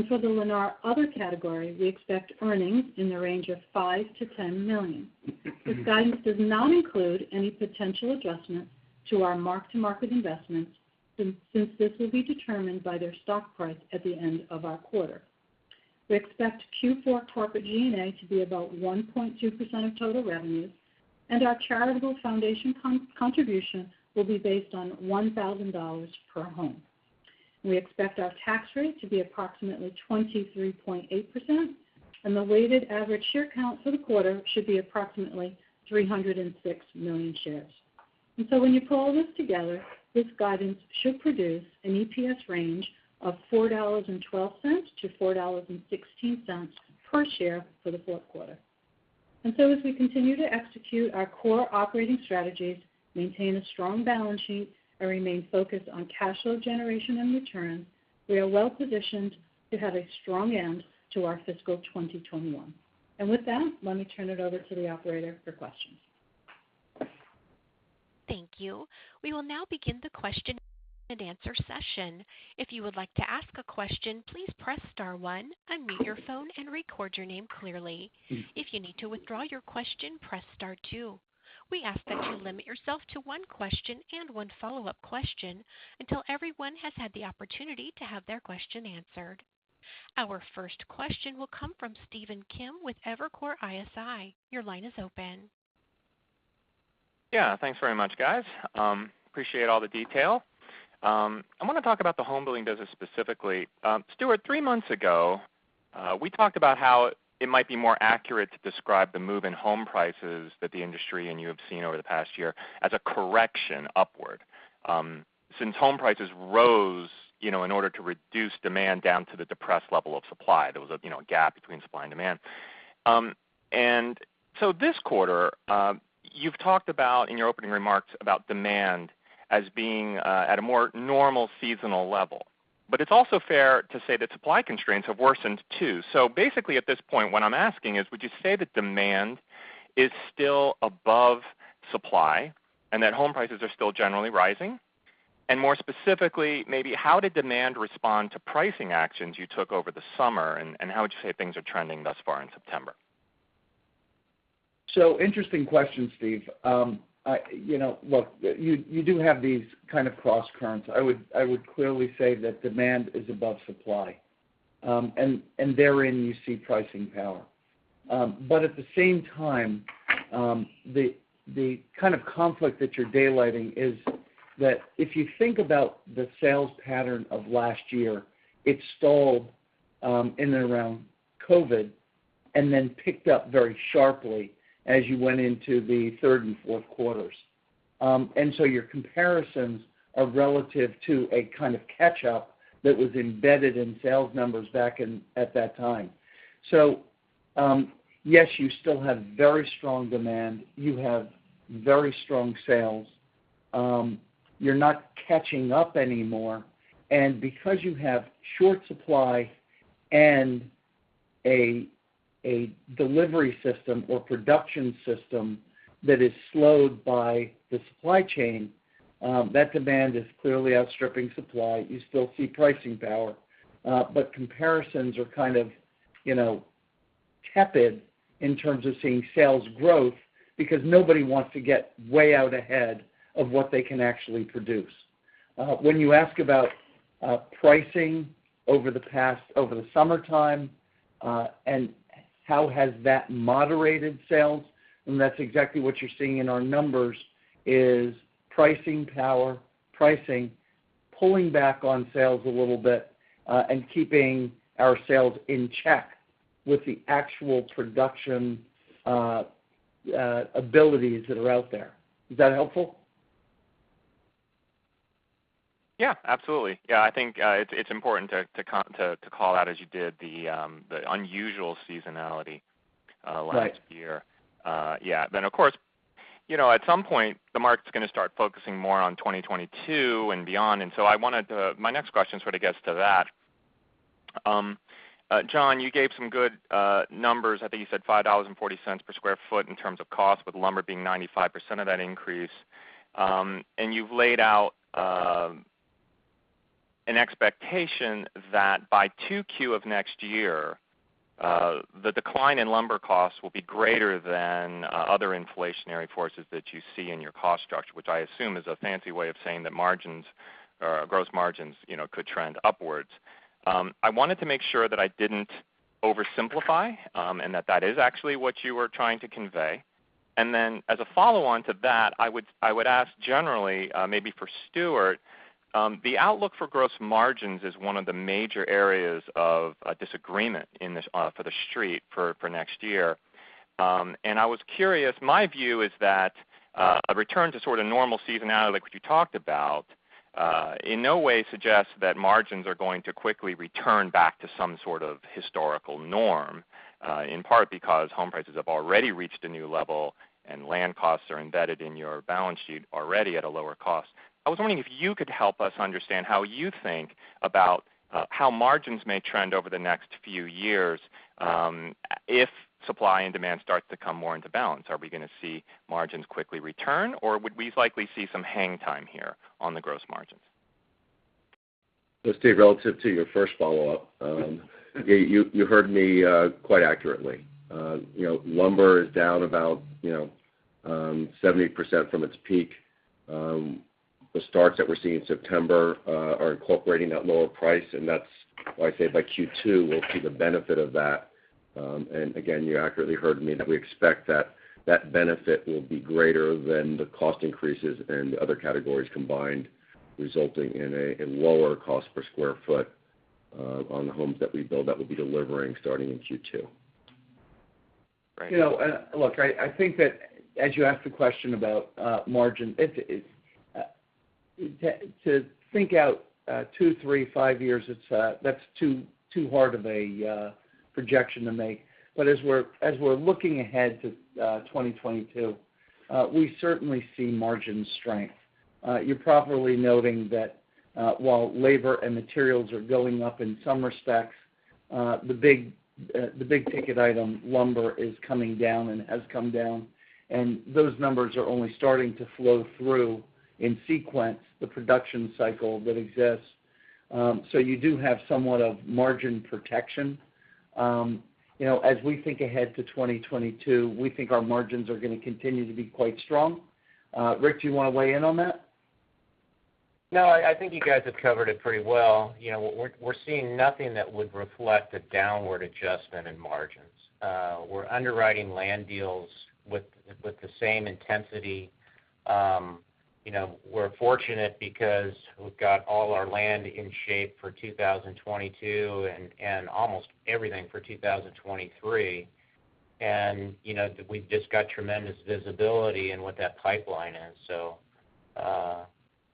For the Lennar Other category, we expect earnings in the range of $5 million to $10 million. This guidance does not include any potential adjustments to our mark-to-market investments since this will be determined by their stock price at the end of our quarter. We expect Q4 corporate G&A to be about 1.2% of total revenues, and our charitable foundation contribution will be based on $1,000 per home. We expect our tax rate to be approximately 23.8%, and the weighted average share count for the quarter should be approximately 306 million shares. When you pull all this together, this guidance should produce an EPS range of $4.12-$4.16 per share for the fourth quarter. As we continue to execute our core operating strategies, maintain a strong balance sheet, and remain focused on cash flow generation and returns, we are well-positioned to have a strong end to our fiscal 2021. With that, let me turn it over to the operator for questions. Thank you. We will now begin the question-and-answer session. If you would like to ask a question, please press star one, unmute your phone, and record your name clearly. If you need to withdraw your question, press star two. We ask that you limit yourself to one question and one follow-up question until everyone has had the opportunity to have their question answered. Our first question will come from Stephen Kim with Evercore ISI. Your line is open. Yeah. Thanks very much, guys. Appreciate all the detail. I want to talk about the home building business specifically. Stuart, three months ago, we talked about how it might be more accurate to describe the move in home prices that the industry and you have seen over the past year as a correction upward, since home prices rose in order to reduce demand down to the depressed level of supply. There was a gap between supply and demand. This quarter, you've talked about in your opening remarks about demand as being at a more normal seasonal level. It's also fair to say supply constraints have worsened too. Basically at this point, what I'm asking is, would you say that demand is still above supply and that home prices are still generally rising? More specifically, maybe how did demand respond to pricing actions you took over the summer, and how would you say things are trending thus far in September? Interesting question, Steve. Look, you do have these kind of cross currents. I would clearly say that demand is above supply, and therein you see pricing power. At the same time, the kind of conflict that you're daylighting is that if you think about the sales pattern of last year, it stalled. in and around COVID, and then picked up very sharply as you went into the third and fourth quarters. Your comparisons are relative to a kind of catch-up that was embedded in sales numbers back at that time. Yes, you still have very strong demand. You have very strong sales. You're not catching up anymore. Because you have short supply and a delivery system or production system that is slowed by the supply chain, that demand is clearly outstripping supply. You still see pricing power. Comparisons are kind of tepid in terms of seeing sales growth because nobody wants to get way out ahead of what they can actually produce. When you ask about pricing over the summertime, and how has that moderated sales. That's exactly what you're seeing in our numbers, is pricing power, pricing pulling back on sales a little bit, and keeping our sales in check with the actual production abilities that are out there. Is that helpful? Yeah, absolutely. Yeah, I think it's important to call out as you did the unusual seasonality last year. Right. Yeah. Of course, at some point, the market's going to start focusing more on 2022 and beyond. My next question sort of gets to that. Jon, you gave some good numbers. I think you said $5.40 per square foot in terms of cost, with lumber being 95% of that increase. You've laid out an expectation that by 2Q of next year, the decline in lumber costs will be greater than other inflationary forces that you see in your cost structure, which I assume is a fancy way of saying that margins or gross margins could trend upwards. I wanted to make sure that I didn't oversimplify, and that that is actually what you were trying to convey. As a follow-on to that, I would ask generally, maybe for Stuart, the outlook for gross margins is one of the major areas of disagreement for the Street for next year. I was curious, my view is that a return to sort of normal seasonality, like what you talked about, in no way suggests that margins are going to quickly return back to some sort of historical norm, in part because home prices have already reached a new level, and land costs are embedded in your balance sheet already at a lower cost. I was wondering if you could help us understand how you think about how margins may trend over the next few years? If supply and demand starts to come more into balance, are we going to see margins quickly return, or would we likely see some hang time here on the gross margins? Steve, relative to your first follow-up, you heard me quite accurately. Lumber is down about 70% from its peak. The starts that we're seeing in September are incorporating that lower price, that's why I say by Q2, we'll see the benefit of that. Again, you accurately heard me that we expect that benefit will be greater than the cost increases and other categories combined, resulting in a lower cost per square foot on the homes that we build that we'll be delivering starting in Q2. Look, I think that as you ask the question about margin, to think out two, three, five years, that's too hard of a projection to make. As we're looking ahead to 2022, we certainly see margin strength. You're properly noting that while labor and materials are going up in some respects, the big ticket item, lumber, is coming down and has come down, and those numbers are only starting to flow through in sequence the production cycle that exists. You do have somewhat of margin protection. As we think ahead to 2022, we think our margins are going to continue to be quite strong. Rick, do you want to weigh in on that? No, I think you guys have covered it pretty well. We're seeing nothing that would reflect a downward adjustment in margins. We're underwriting land deals with the same intensity. We're fortunate because we've got all our land in shape for 2022 and almost everything for 2023. We've just got tremendous visibility in what that pipeline is.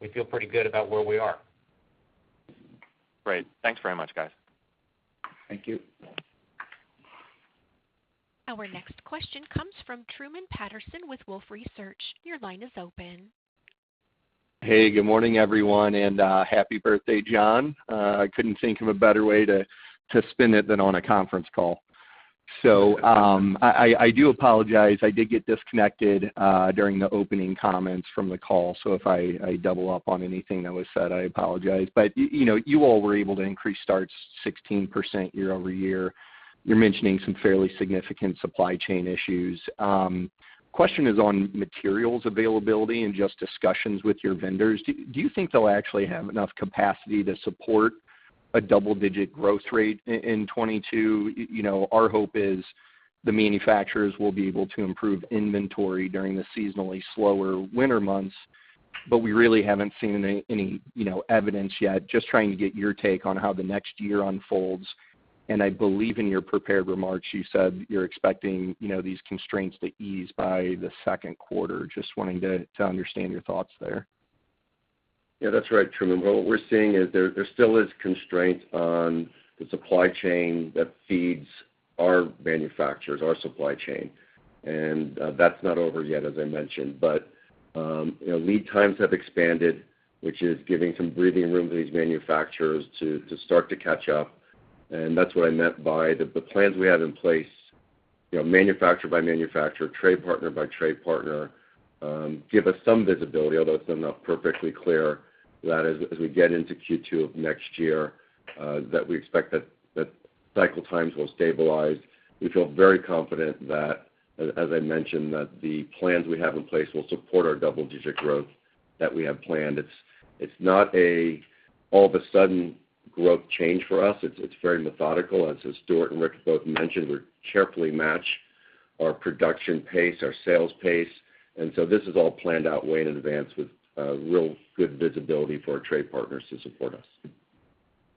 We feel pretty good about where we are. Great. Thanks very much, guys. Thank you. Our next question comes from Truman Patterson with Wolfe Research. Your line is open. Hey, good morning, everyone, and happy birthday, Jon. I couldn't think of a better way to spend it than on a conference call. I do apologize, I did get disconnected during the opening comments from the call. If I double up on anything that was said, I apologize. You all were able to increase starts 16% year-over-year. You're mentioning some fairly significant supply chain issues. Question is on materials availability and just discussions with your vendors. Do you think they'll actually have enough capacity to support a double-digit growth rate in 2022? Our hope is the manufacturers will be able to improve inventory during the seasonally slower winter months. We really haven't seen any evidence yet. Just trying to get your take on how the next year unfolds. I believe in your prepared remarks, you said you're expecting these constraints to ease by the second quarter. Just wanting to understand your thoughts there? Yeah, that's right, Truman. What we're seeing is there still is constraint on the supply chain that feeds our manufacturers, our supply chain, that's not over yet, as I mentioned. Lead times have expanded, which is giving some breathing room to these manufacturers to start to catch up. That's what I meant by the plans we have in place, manufacturer by manufacturer, trade partner by trade partner, give us some visibility, although it's not perfectly clear, that as we get into Q2 of next year, that we expect that cycle times will stabilize. We feel very confident that, as I mentioned, that the plans we have in place will support our double-digit growth that we have planned. It's not a all of a sudden growth change for us. It's very methodical. Stuart and Rick both mentioned we carefully match our production pace, our sales pace. This is all planned out way in advance with real good visibility for our trade partners to support us.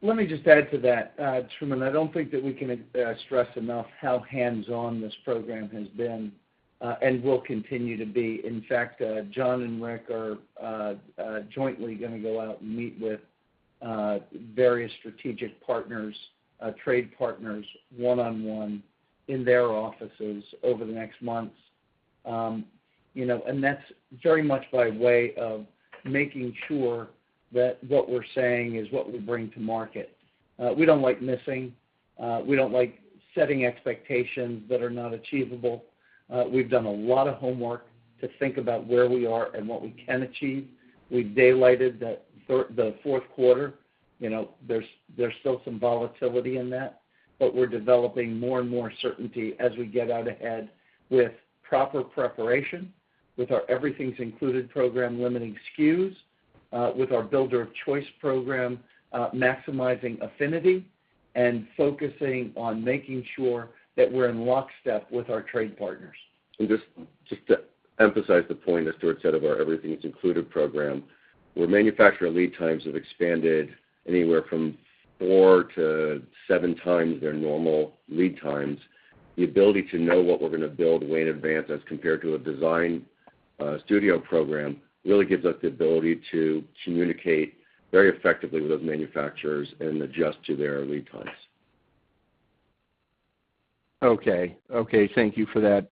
Let me just add to that, Truman. I don't think that we can stress enough how hands-on this program has been, and will continue to be. In fact, Jon and Rick are jointly going to go out and meet with various strategic partners, trade partners, one-on-one in their offices over the next months. That's very much by way of making sure that what we're saying is what we bring to market. We don't like missing. We don't like setting expectations that are not achievable. We've done a lot of homework to think about where we are and what we can achieve. We've daylighted the fourth quarter. There's still some volatility in that, but we're developing more and more certainty as we get out ahead with proper preparation, with our Everything's Included program limiting SKUs, with our Builder of Choice program maximizing affinity, and focusing on making sure that we're in lockstep with our trade partners. Just to emphasize the point that Stuart said about our Everything's Included program, where manufacturer lead times have expanded anywhere from four to seven times their normal lead times, the ability to know what we're going to build way in advance as compared to a design studio program really gives us the ability to communicate very effectively with those manufacturers and adjust to their lead times. Okay. Thank you for that.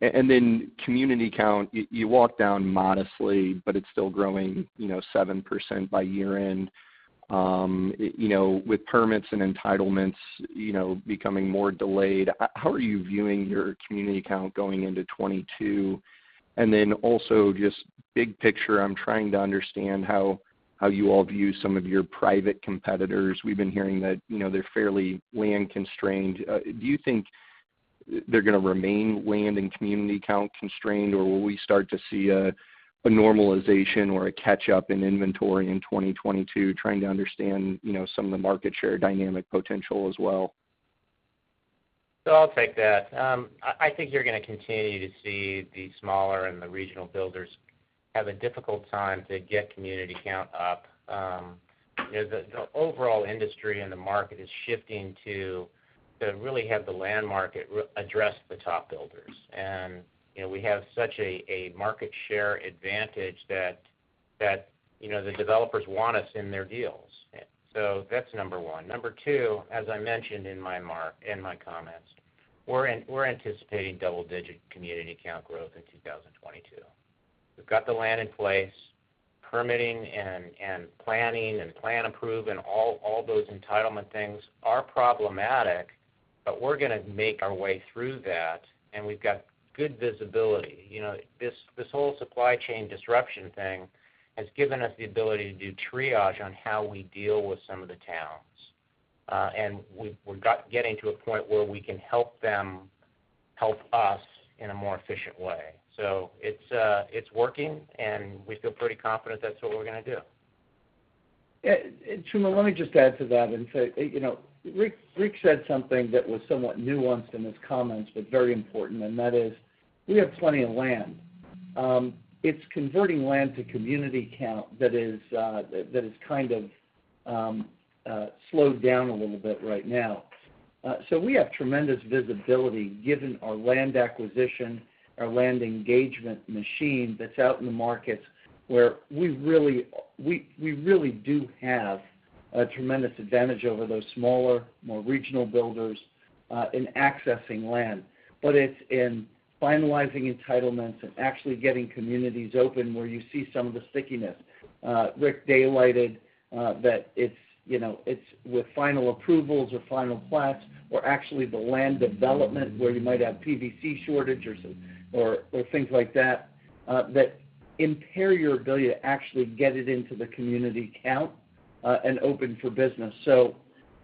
Community count, you walked down modestly, but it's still growing 7% by year-end. With permits and entitlements becoming more delayed, how are you viewing your community count going into 2022? Also, just big picture, I'm trying to understand how you all view some of your private competitors. We've been hearing that they're fairly land constrained. Do you think they're going to remain land and community count constrained, or will we start to see a normalization or a catch-up in inventory in 2022? Trying to understand some of the market share dynamic potential as well. I'll take that. I think you're going to continue to see the smaller and the regional builders have a difficult time to get community count up. The overall industry and the market is shifting to really have the land market address the top builders. We have such a market share advantage that the developers want us in their deals. That's number one. Number two, as I mentioned in my comments, we're anticipating double-digit community count growth in 2022. We've got the land in place. Permitting and planning and plan approve and all those entitlement things are problematic, but we're going to make our way through that, and we've got good visibility. This whole supply chain disruption thing has given us the ability to do triage on how we deal with some of the towns. We're getting to a point where we can help them help us in a more efficient way. It's working, and we feel pretty confident that's what we're going to do. Yeah. Truman, let me just add to that and say, Rick said something that was somewhat nuanced in his comments, but very important, and that is, we have plenty of land. It's converting land to community count that has kind of slowed down a little bit right now. We have tremendous visibility given our land acquisition, our land engagement machine that's out in the markets where we really do have a tremendous advantage over those smaller, more regional builders in accessing land. It's in finalizing entitlements and actually getting communities open where you see some of the stickiness. Rick daylighted that it's with final approvals or final plats or actually the land development where you might have PVC shortage or things like that impair your ability to actually get it into the community count and open for business.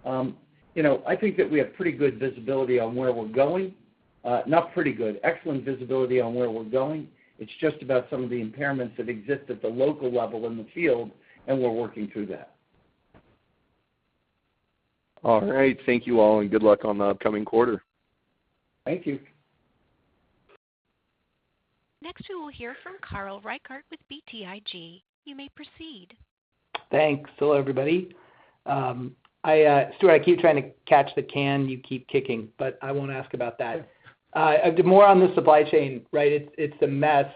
I think that we have pretty good visibility on where we're going. Not pretty good, excellent visibility on where we're going. It's just about some of the impairments that exist at the local level in the field, and we're working through that. All right. Thank you all. Good luck on the upcoming quarter. Thank you. Next, we will hear from Carl Reichardt with BTIG. You may proceed. Thanks. Hello, everybody. Stuart, I keep trying to catch the can you keep kicking, but I won't ask about that. Sure. More on the supply chain. It's a mess.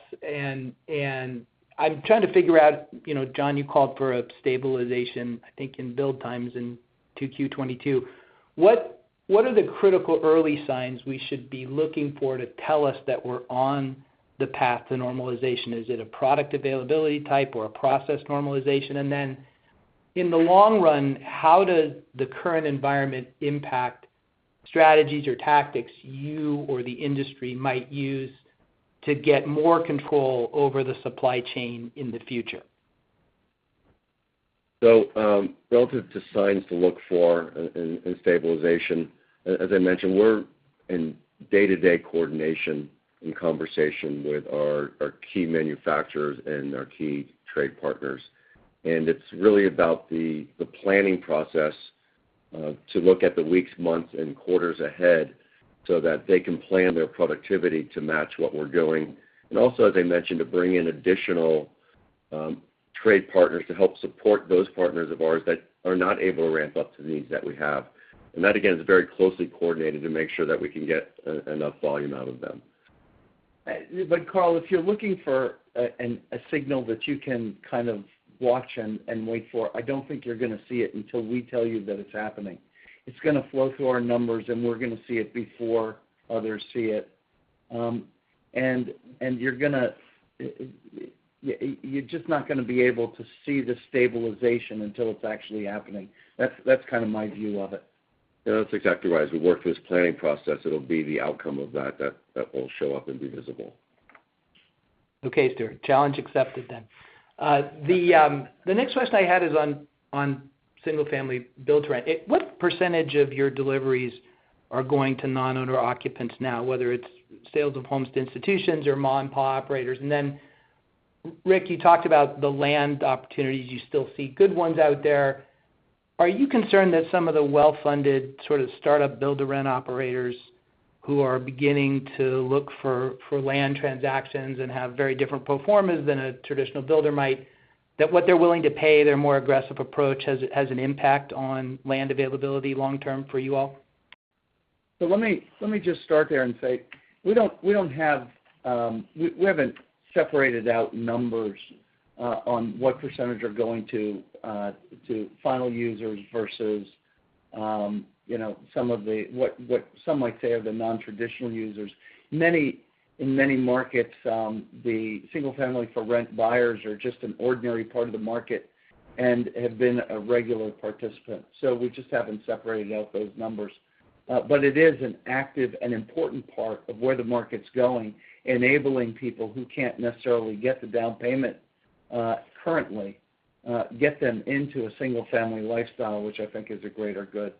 I'm trying to figure out, Jon, you called for a stabilization, I think, in build times in 2Q 2022. What are the critical early signs we should be looking for to tell us that we're on the path to normalization? Is it a product availability type or a process normalization? Then in the long run, how does the current environment impact strategies or tactics you or the industry might use to get more control over the supply chain in the future? Relative to signs to look for in stabilization, as I mentioned, we're in day-to-day coordination and conversation with our key manufacturers and our key trade partners, and it's really about the planning process to look at the weeks, months, and quarters ahead so that they can plan their productivity to match what we're doing. Also, as I mentioned, to bring in additional trade partners to help support those partners of ours that are not able to ramp up to the needs that we have. That, again, is very closely coordinated to make sure that we can get enough volume out of them. Carl, if you're looking for a signal that you can kind of watch and wait for, I don't think you're going to see it until we tell you that it's happening. It's going to flow through our numbers, and we're going to see it before others see it. You're just not going to be able to see the stabilization until it's actually happening. That's kind of my view of it. That's exactly right. As we work through this planning process, it'll be the outcome of that that will show up and be visible. Okay, Stuart. Challenge accepted then. The next question I had is on single-family build to rent. What percentage of your deliveries are going to non-owner occupants now, whether it's sales of homes to institutions or mom-and-pop operators? Then Rick, you talked about the land opportunities. You still see good ones out there. Are you concerned that some of the well-funded sort of startup build-to-rent operators who are beginning to look for land transactions and have very different pro formas than a traditional builder might, that what they're willing to pay, their more aggressive approach, has an impact on land availability long term for you all? Let me just start there and say we haven't separated out numbers on what percentage are going to final users versus what some might say are the non-traditional users. In many markets, the Single-Family For Rent buyers are just an ordinary part of the market and have been a regular participant. We just haven't separated out those numbers. But it is an active and important part of where the market's going, enabling people who can't necessarily get the down payment currently, get them into a single-family lifestyle, which I think is a greater good.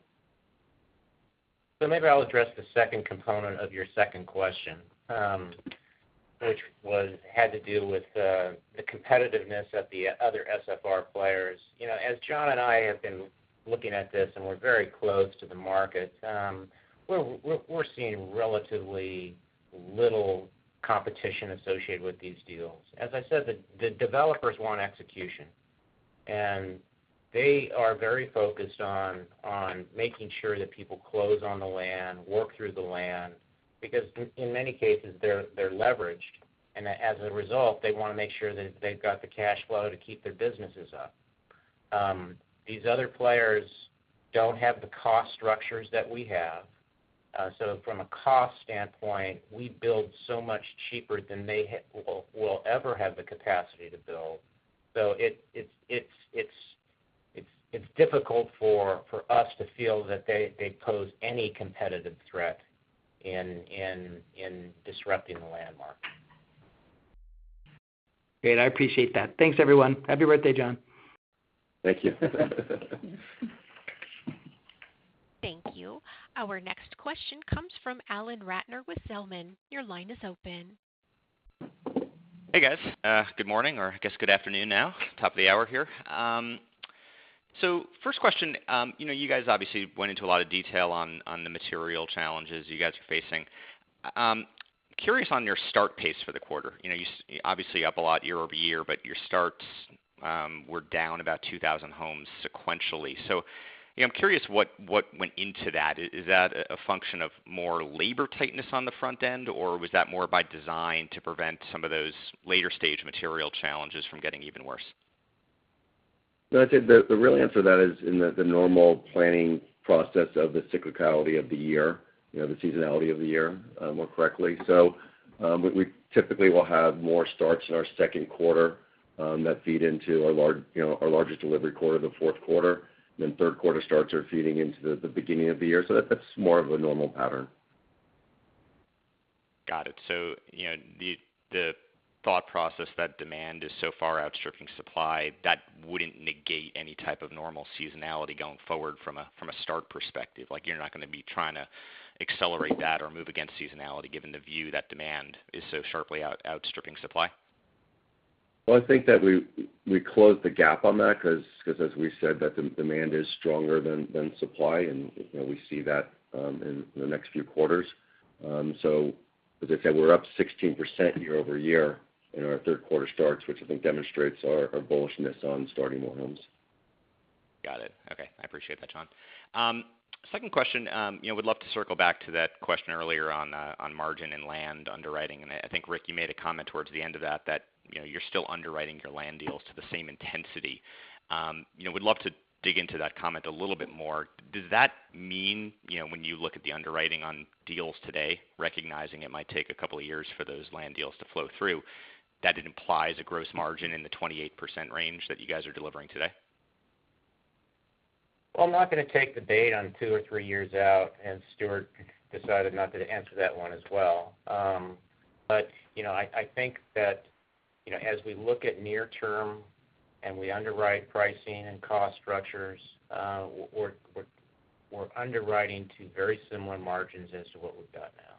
Maybe I'll address the second component of your second question, which had to do with the competitiveness of the other SFR players. As Jon and I have been looking at this, and we're very close to the market, we're seeing relatively little competition associated with these deals. As I said, the developers want execution, and they are very focused on making sure that people close on the land, work through the land, because in many cases, they're leveraged, and as a result, they want to make sure that they've got the cash flow to keep their businesses up. These other players don't have the cost structures that we have. From a cost standpoint, we build so much cheaper than they will ever have the capacity to build. It's difficult for us to feel that they pose any competitive threat in disrupting the land market. Great. I appreciate that. Thanks, everyone. Happy birthday, Jon. Thank you. Thank you. Our next question comes from Alan Ratner with Zelman. Your line is open. Hey, guys. Good morning, or I guess good afternoon now. Top of the hour here. First question. You guys obviously went into a lot of detail on the material challenges you guys are facing. Curious on your start pace for the quarter. You're obviously up a lot year-over-year, but your starts were down about 2,000 homes sequentially. I'm curious what went into that? Is that a function of more labor tightness on the front end, or was that more by design to prevent some of those later-stage material challenges from getting even worse? I'd say the real answer to that is in the normal planning process of the cyclicality of the year, the seasonality of the year, more correctly. We typically will have more starts in our second quarter that feed into our larger delivery quarter, the fourth quarter, then third quarter starts are feeding into the beginning of the year. That's more of a normal pattern. Got it. The thought process that demand is so far outstripping supply, that wouldn't negate any type of normal seasonality going forward from a start perspective? You're not going to be trying to accelerate that or move against seasonality given the view that demand is so sharply outstripping supply? Well, I think that we closed the gap on that because as we said, the demand is stronger than supply and we see that in the next few quarters. As I said, we're up 16% year-over-year in our third quarter starts, which I think demonstrates our bullishness on starting more homes. Got it. Okay. I appreciate that, Jon. Second question. Would love to circle back to that question earlier on margin and land underwriting, and I think Rick, you made a comment towards the end of that you're still underwriting your land deals to the same intensity. Would love to dig into that comment a little bit more. Does that mean, when you look at the underwriting on deals today, recognizing it might take a couple of years for those land deals to flow through, that it implies a gross margin in the 28% range that you guys are delivering today? I'm not going to take the bait on two or three years out. Stuart decided not to answer that one as well. I think that as we look at near term and we underwrite pricing and cost structures, we're underwriting to very similar margins as to what we've got now.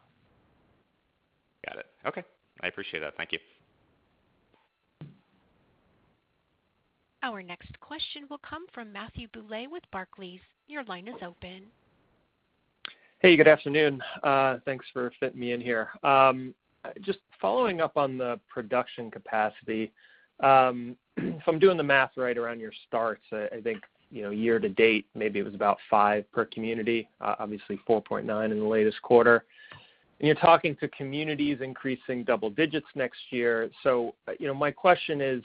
Got it. Okay. I appreciate that. Thank you. Our next question will come from Matthew Bouley with Barclays. Your line is open. Hey, good afternoon. Thanks for fitting me in here. Just following up on the production capacity. If I'm doing the math right around your starts, I think year to date, maybe it was about five per community, obviously 4.9 in the latest quarter. You're talking to communities increasing double digits next year. My question is,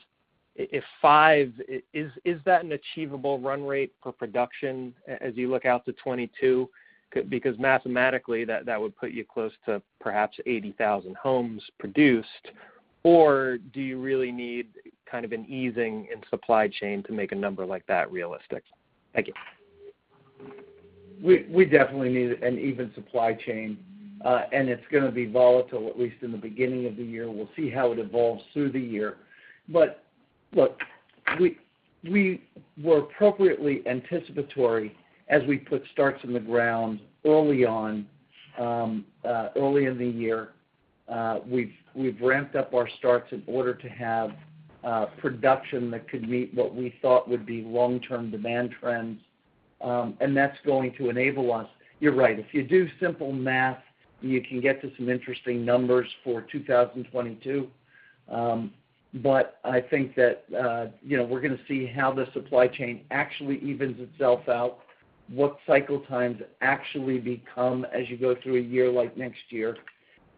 if five, is that an achievable run rate for production as you look out to 2022? Because mathematically, that would put you close to perhaps 80,000 homes produced, or do you really need kind of an easing in supply chain to make a number like that realistic? Thank you. We definitely need an even supply chain. It's going to be volatile, at least in the beginning of the year. We'll see how it evolves through the year. Look, we were appropriately anticipatory as we put starts in the ground early in the year. We've ramped up our starts in order to have production that could meet what we thought would be long-term demand trends, and that's going to enable us. You're right. If you do simple math, you can get to some interesting numbers for 2022. I think that we're going to see how the supply chain actually evens itself out, what cycle times actually become as you go through a year like next year.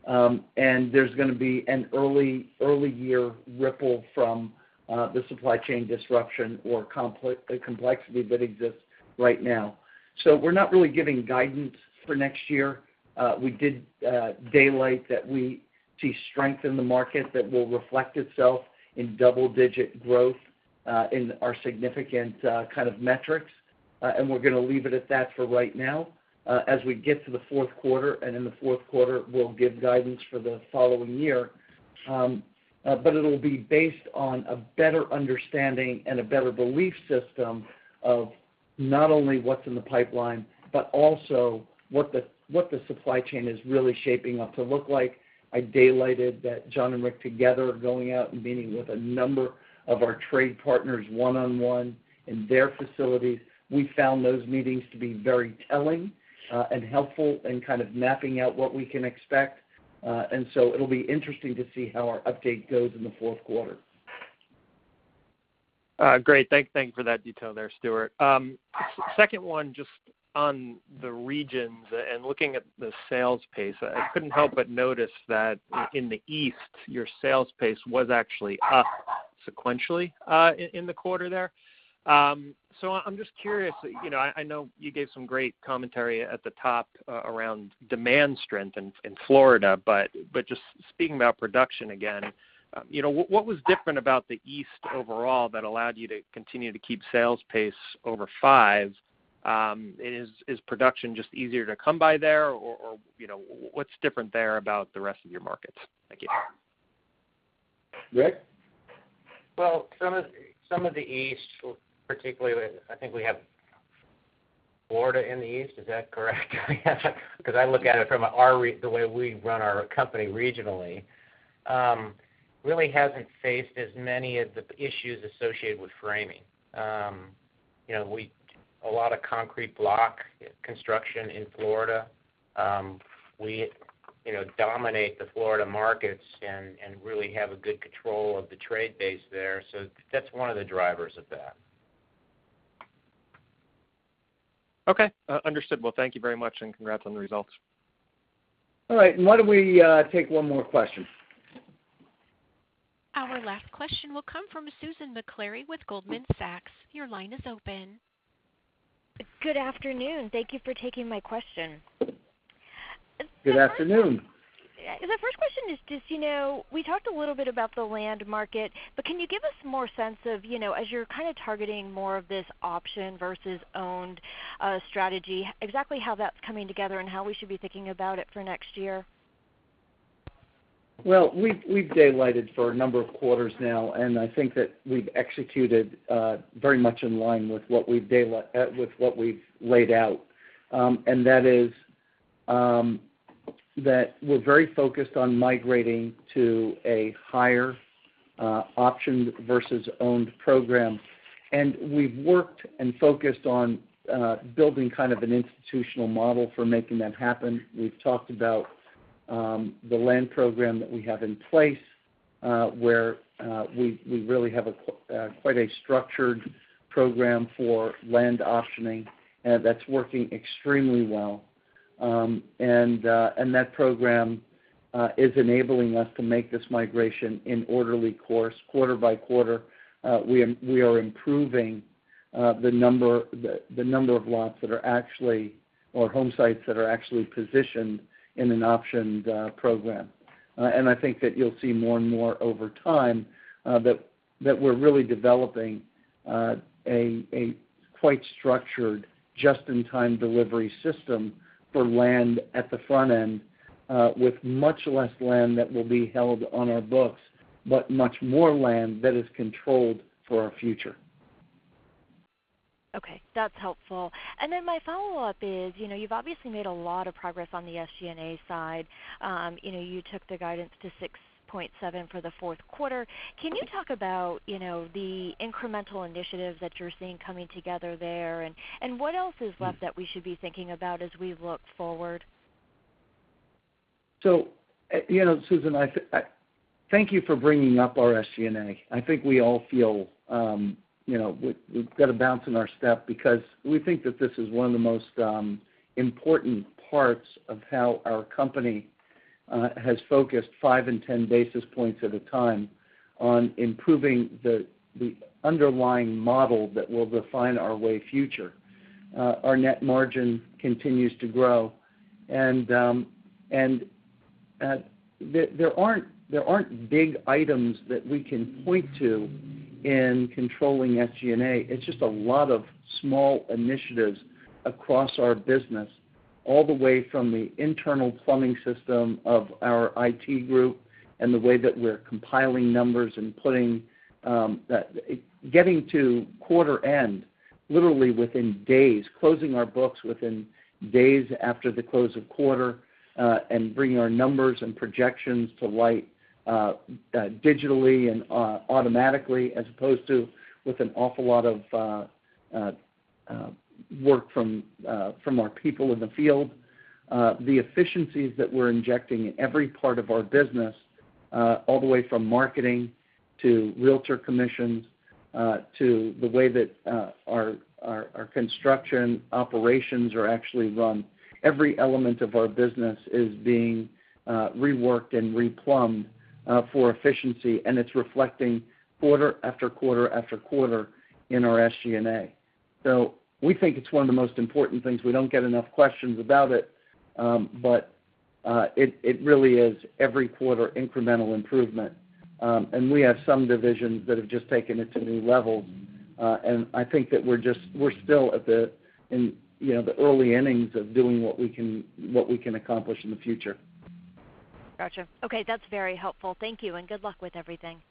There's going to be an early year ripple from the supply chain disruption or complexity that exists right now. We're not really giving guidance for next year. We did daylight that we see strength in the market that will reflect itself in double-digit growth in our significant kind of metrics. We're going to leave it at that for right now. As we get to the fourth quarter and in the fourth quarter, we'll give guidance for the following year. It'll be based on a better understanding and a better belief system of not only what's in the pipeline, but also what the supply chain is really shaping up to look like. I daylighted that Jon and Rick together are going out and meeting with a number of our trade partners one-on-one in their facilities. We found those meetings to be very telling and helpful in kind of mapping out what we can expect. It'll be interesting to see how our update goes in the fourth quarter. Great. Thank you for that detail there, Stuart. Second one, just on the regions and looking at the sales pace, I couldn't help but notice that in the East, your sales pace was actually up sequentially in the quarter there. I'm just curious, I know you gave some great commentary at the top around demand strength in Florida, but just speaking about production again, what was different about the East overall that allowed you to continue to keep sales pace over five? Is production just easier to come by there, or what's different there about the rest of your markets? Thank you. Rick? Well, some of the East, particularly, I think we have Florida in the East. Is that correct? I look at it from the way we run our company regionally. Really hasn't faced as many of the issues associated with framing. A lot of concrete block construction in Florida. We dominate the Florida markets and really have a good control of the trade base there. That's one of the drivers of that. Okay, understood. Well, thank you very much, and congrats on the results. All right. Why don't we take one more question? Our last question will come from Susan Maklari with Goldman Sachs. Your line is open. Good afternoon. Thank you for taking my question. Good afternoon. The first question is just, we talked a little bit about the land market, but can you give us more sense of, as you're kind of targeting more of this option versus owned strategy, exactly how that's coming together and how we should be thinking about it for next year? Well, we've daylighted for a number of quarters now, and I think that we've executed very much in line with what we've laid out. That is that we're very focused on migrating to a higher optioned versus owned program. We've worked and focused on building kind of an institutional model for making that happen. We've talked about the land program that we have in place, where we really have quite a structured program for land optioning that's working extremely well. That program is enabling us to make this migration in orderly course quarter by quarter. We are improving the number of lots or home sites that are actually positioned in an optioned program. I think that you'll see more and more over time that we're really developing a quite structured just-in-time delivery system for land at the front end with much less land that will be held on our books, but much more land that is controlled for our future. Okay. That's helpful. My follow-up is, you've obviously made a lot of progress on the SG&A side. You took the guidance to 6.7% for the fourth quarter. Can you talk about the incremental initiatives that you're seeing coming together there, and what else is left that we should be thinking about as we look forward? Susan, thank you for bringing up our SG&A. I think we all feel we've got a bounce in our step because we think that this is one of the most important parts of how our company has focused 5 and 10 basis points at a time on improving the underlying model that will define our way future. Our net margin continues to grow, and there aren't big items that we can point to in controlling SG&A. It's just a lot of small initiatives across our business, all the way from the internal plumbing system of our IT group and the way that we're compiling numbers and getting to quarter end, literally within days, closing our books within days after the close of quarter, and bringing our numbers and projections to light digitally and automatically, as opposed to with an awful lot of work from our people in the field. The efficiencies that we're injecting in every part of our business, all the way from marketing to realtor commissions, to the way that our construction operations are actually run. Every element of our business is being reworked and replumbed for efficiency, and it's reflecting quarter after quarter after quarter in our SG&A. We think it's one of the most important things. We don't get enough questions about it. It really is every quarter incremental improvement. We have some divisions that have just taken it to new levels. I think that we're still in the early innings of doing what we can accomplish in the future. Got you. Okay. That's very helpful. Thank you, and good luck with everything.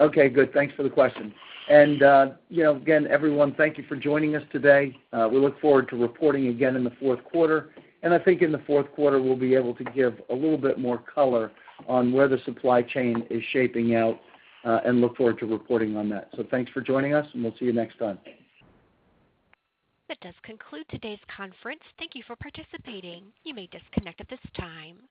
Okay, good. Thanks for the question. Again, everyone, thank you for joining us today. We look forward to reporting again in the fourth quarter. I think in the fourth quarter, we'll be able to give a little bit more color on where the supply chain is shaping out and look forward to reporting on that. Thanks for joining us, and we'll see you next time. That does conclude today's conference. Thank you for participating. You may disconnect at this time.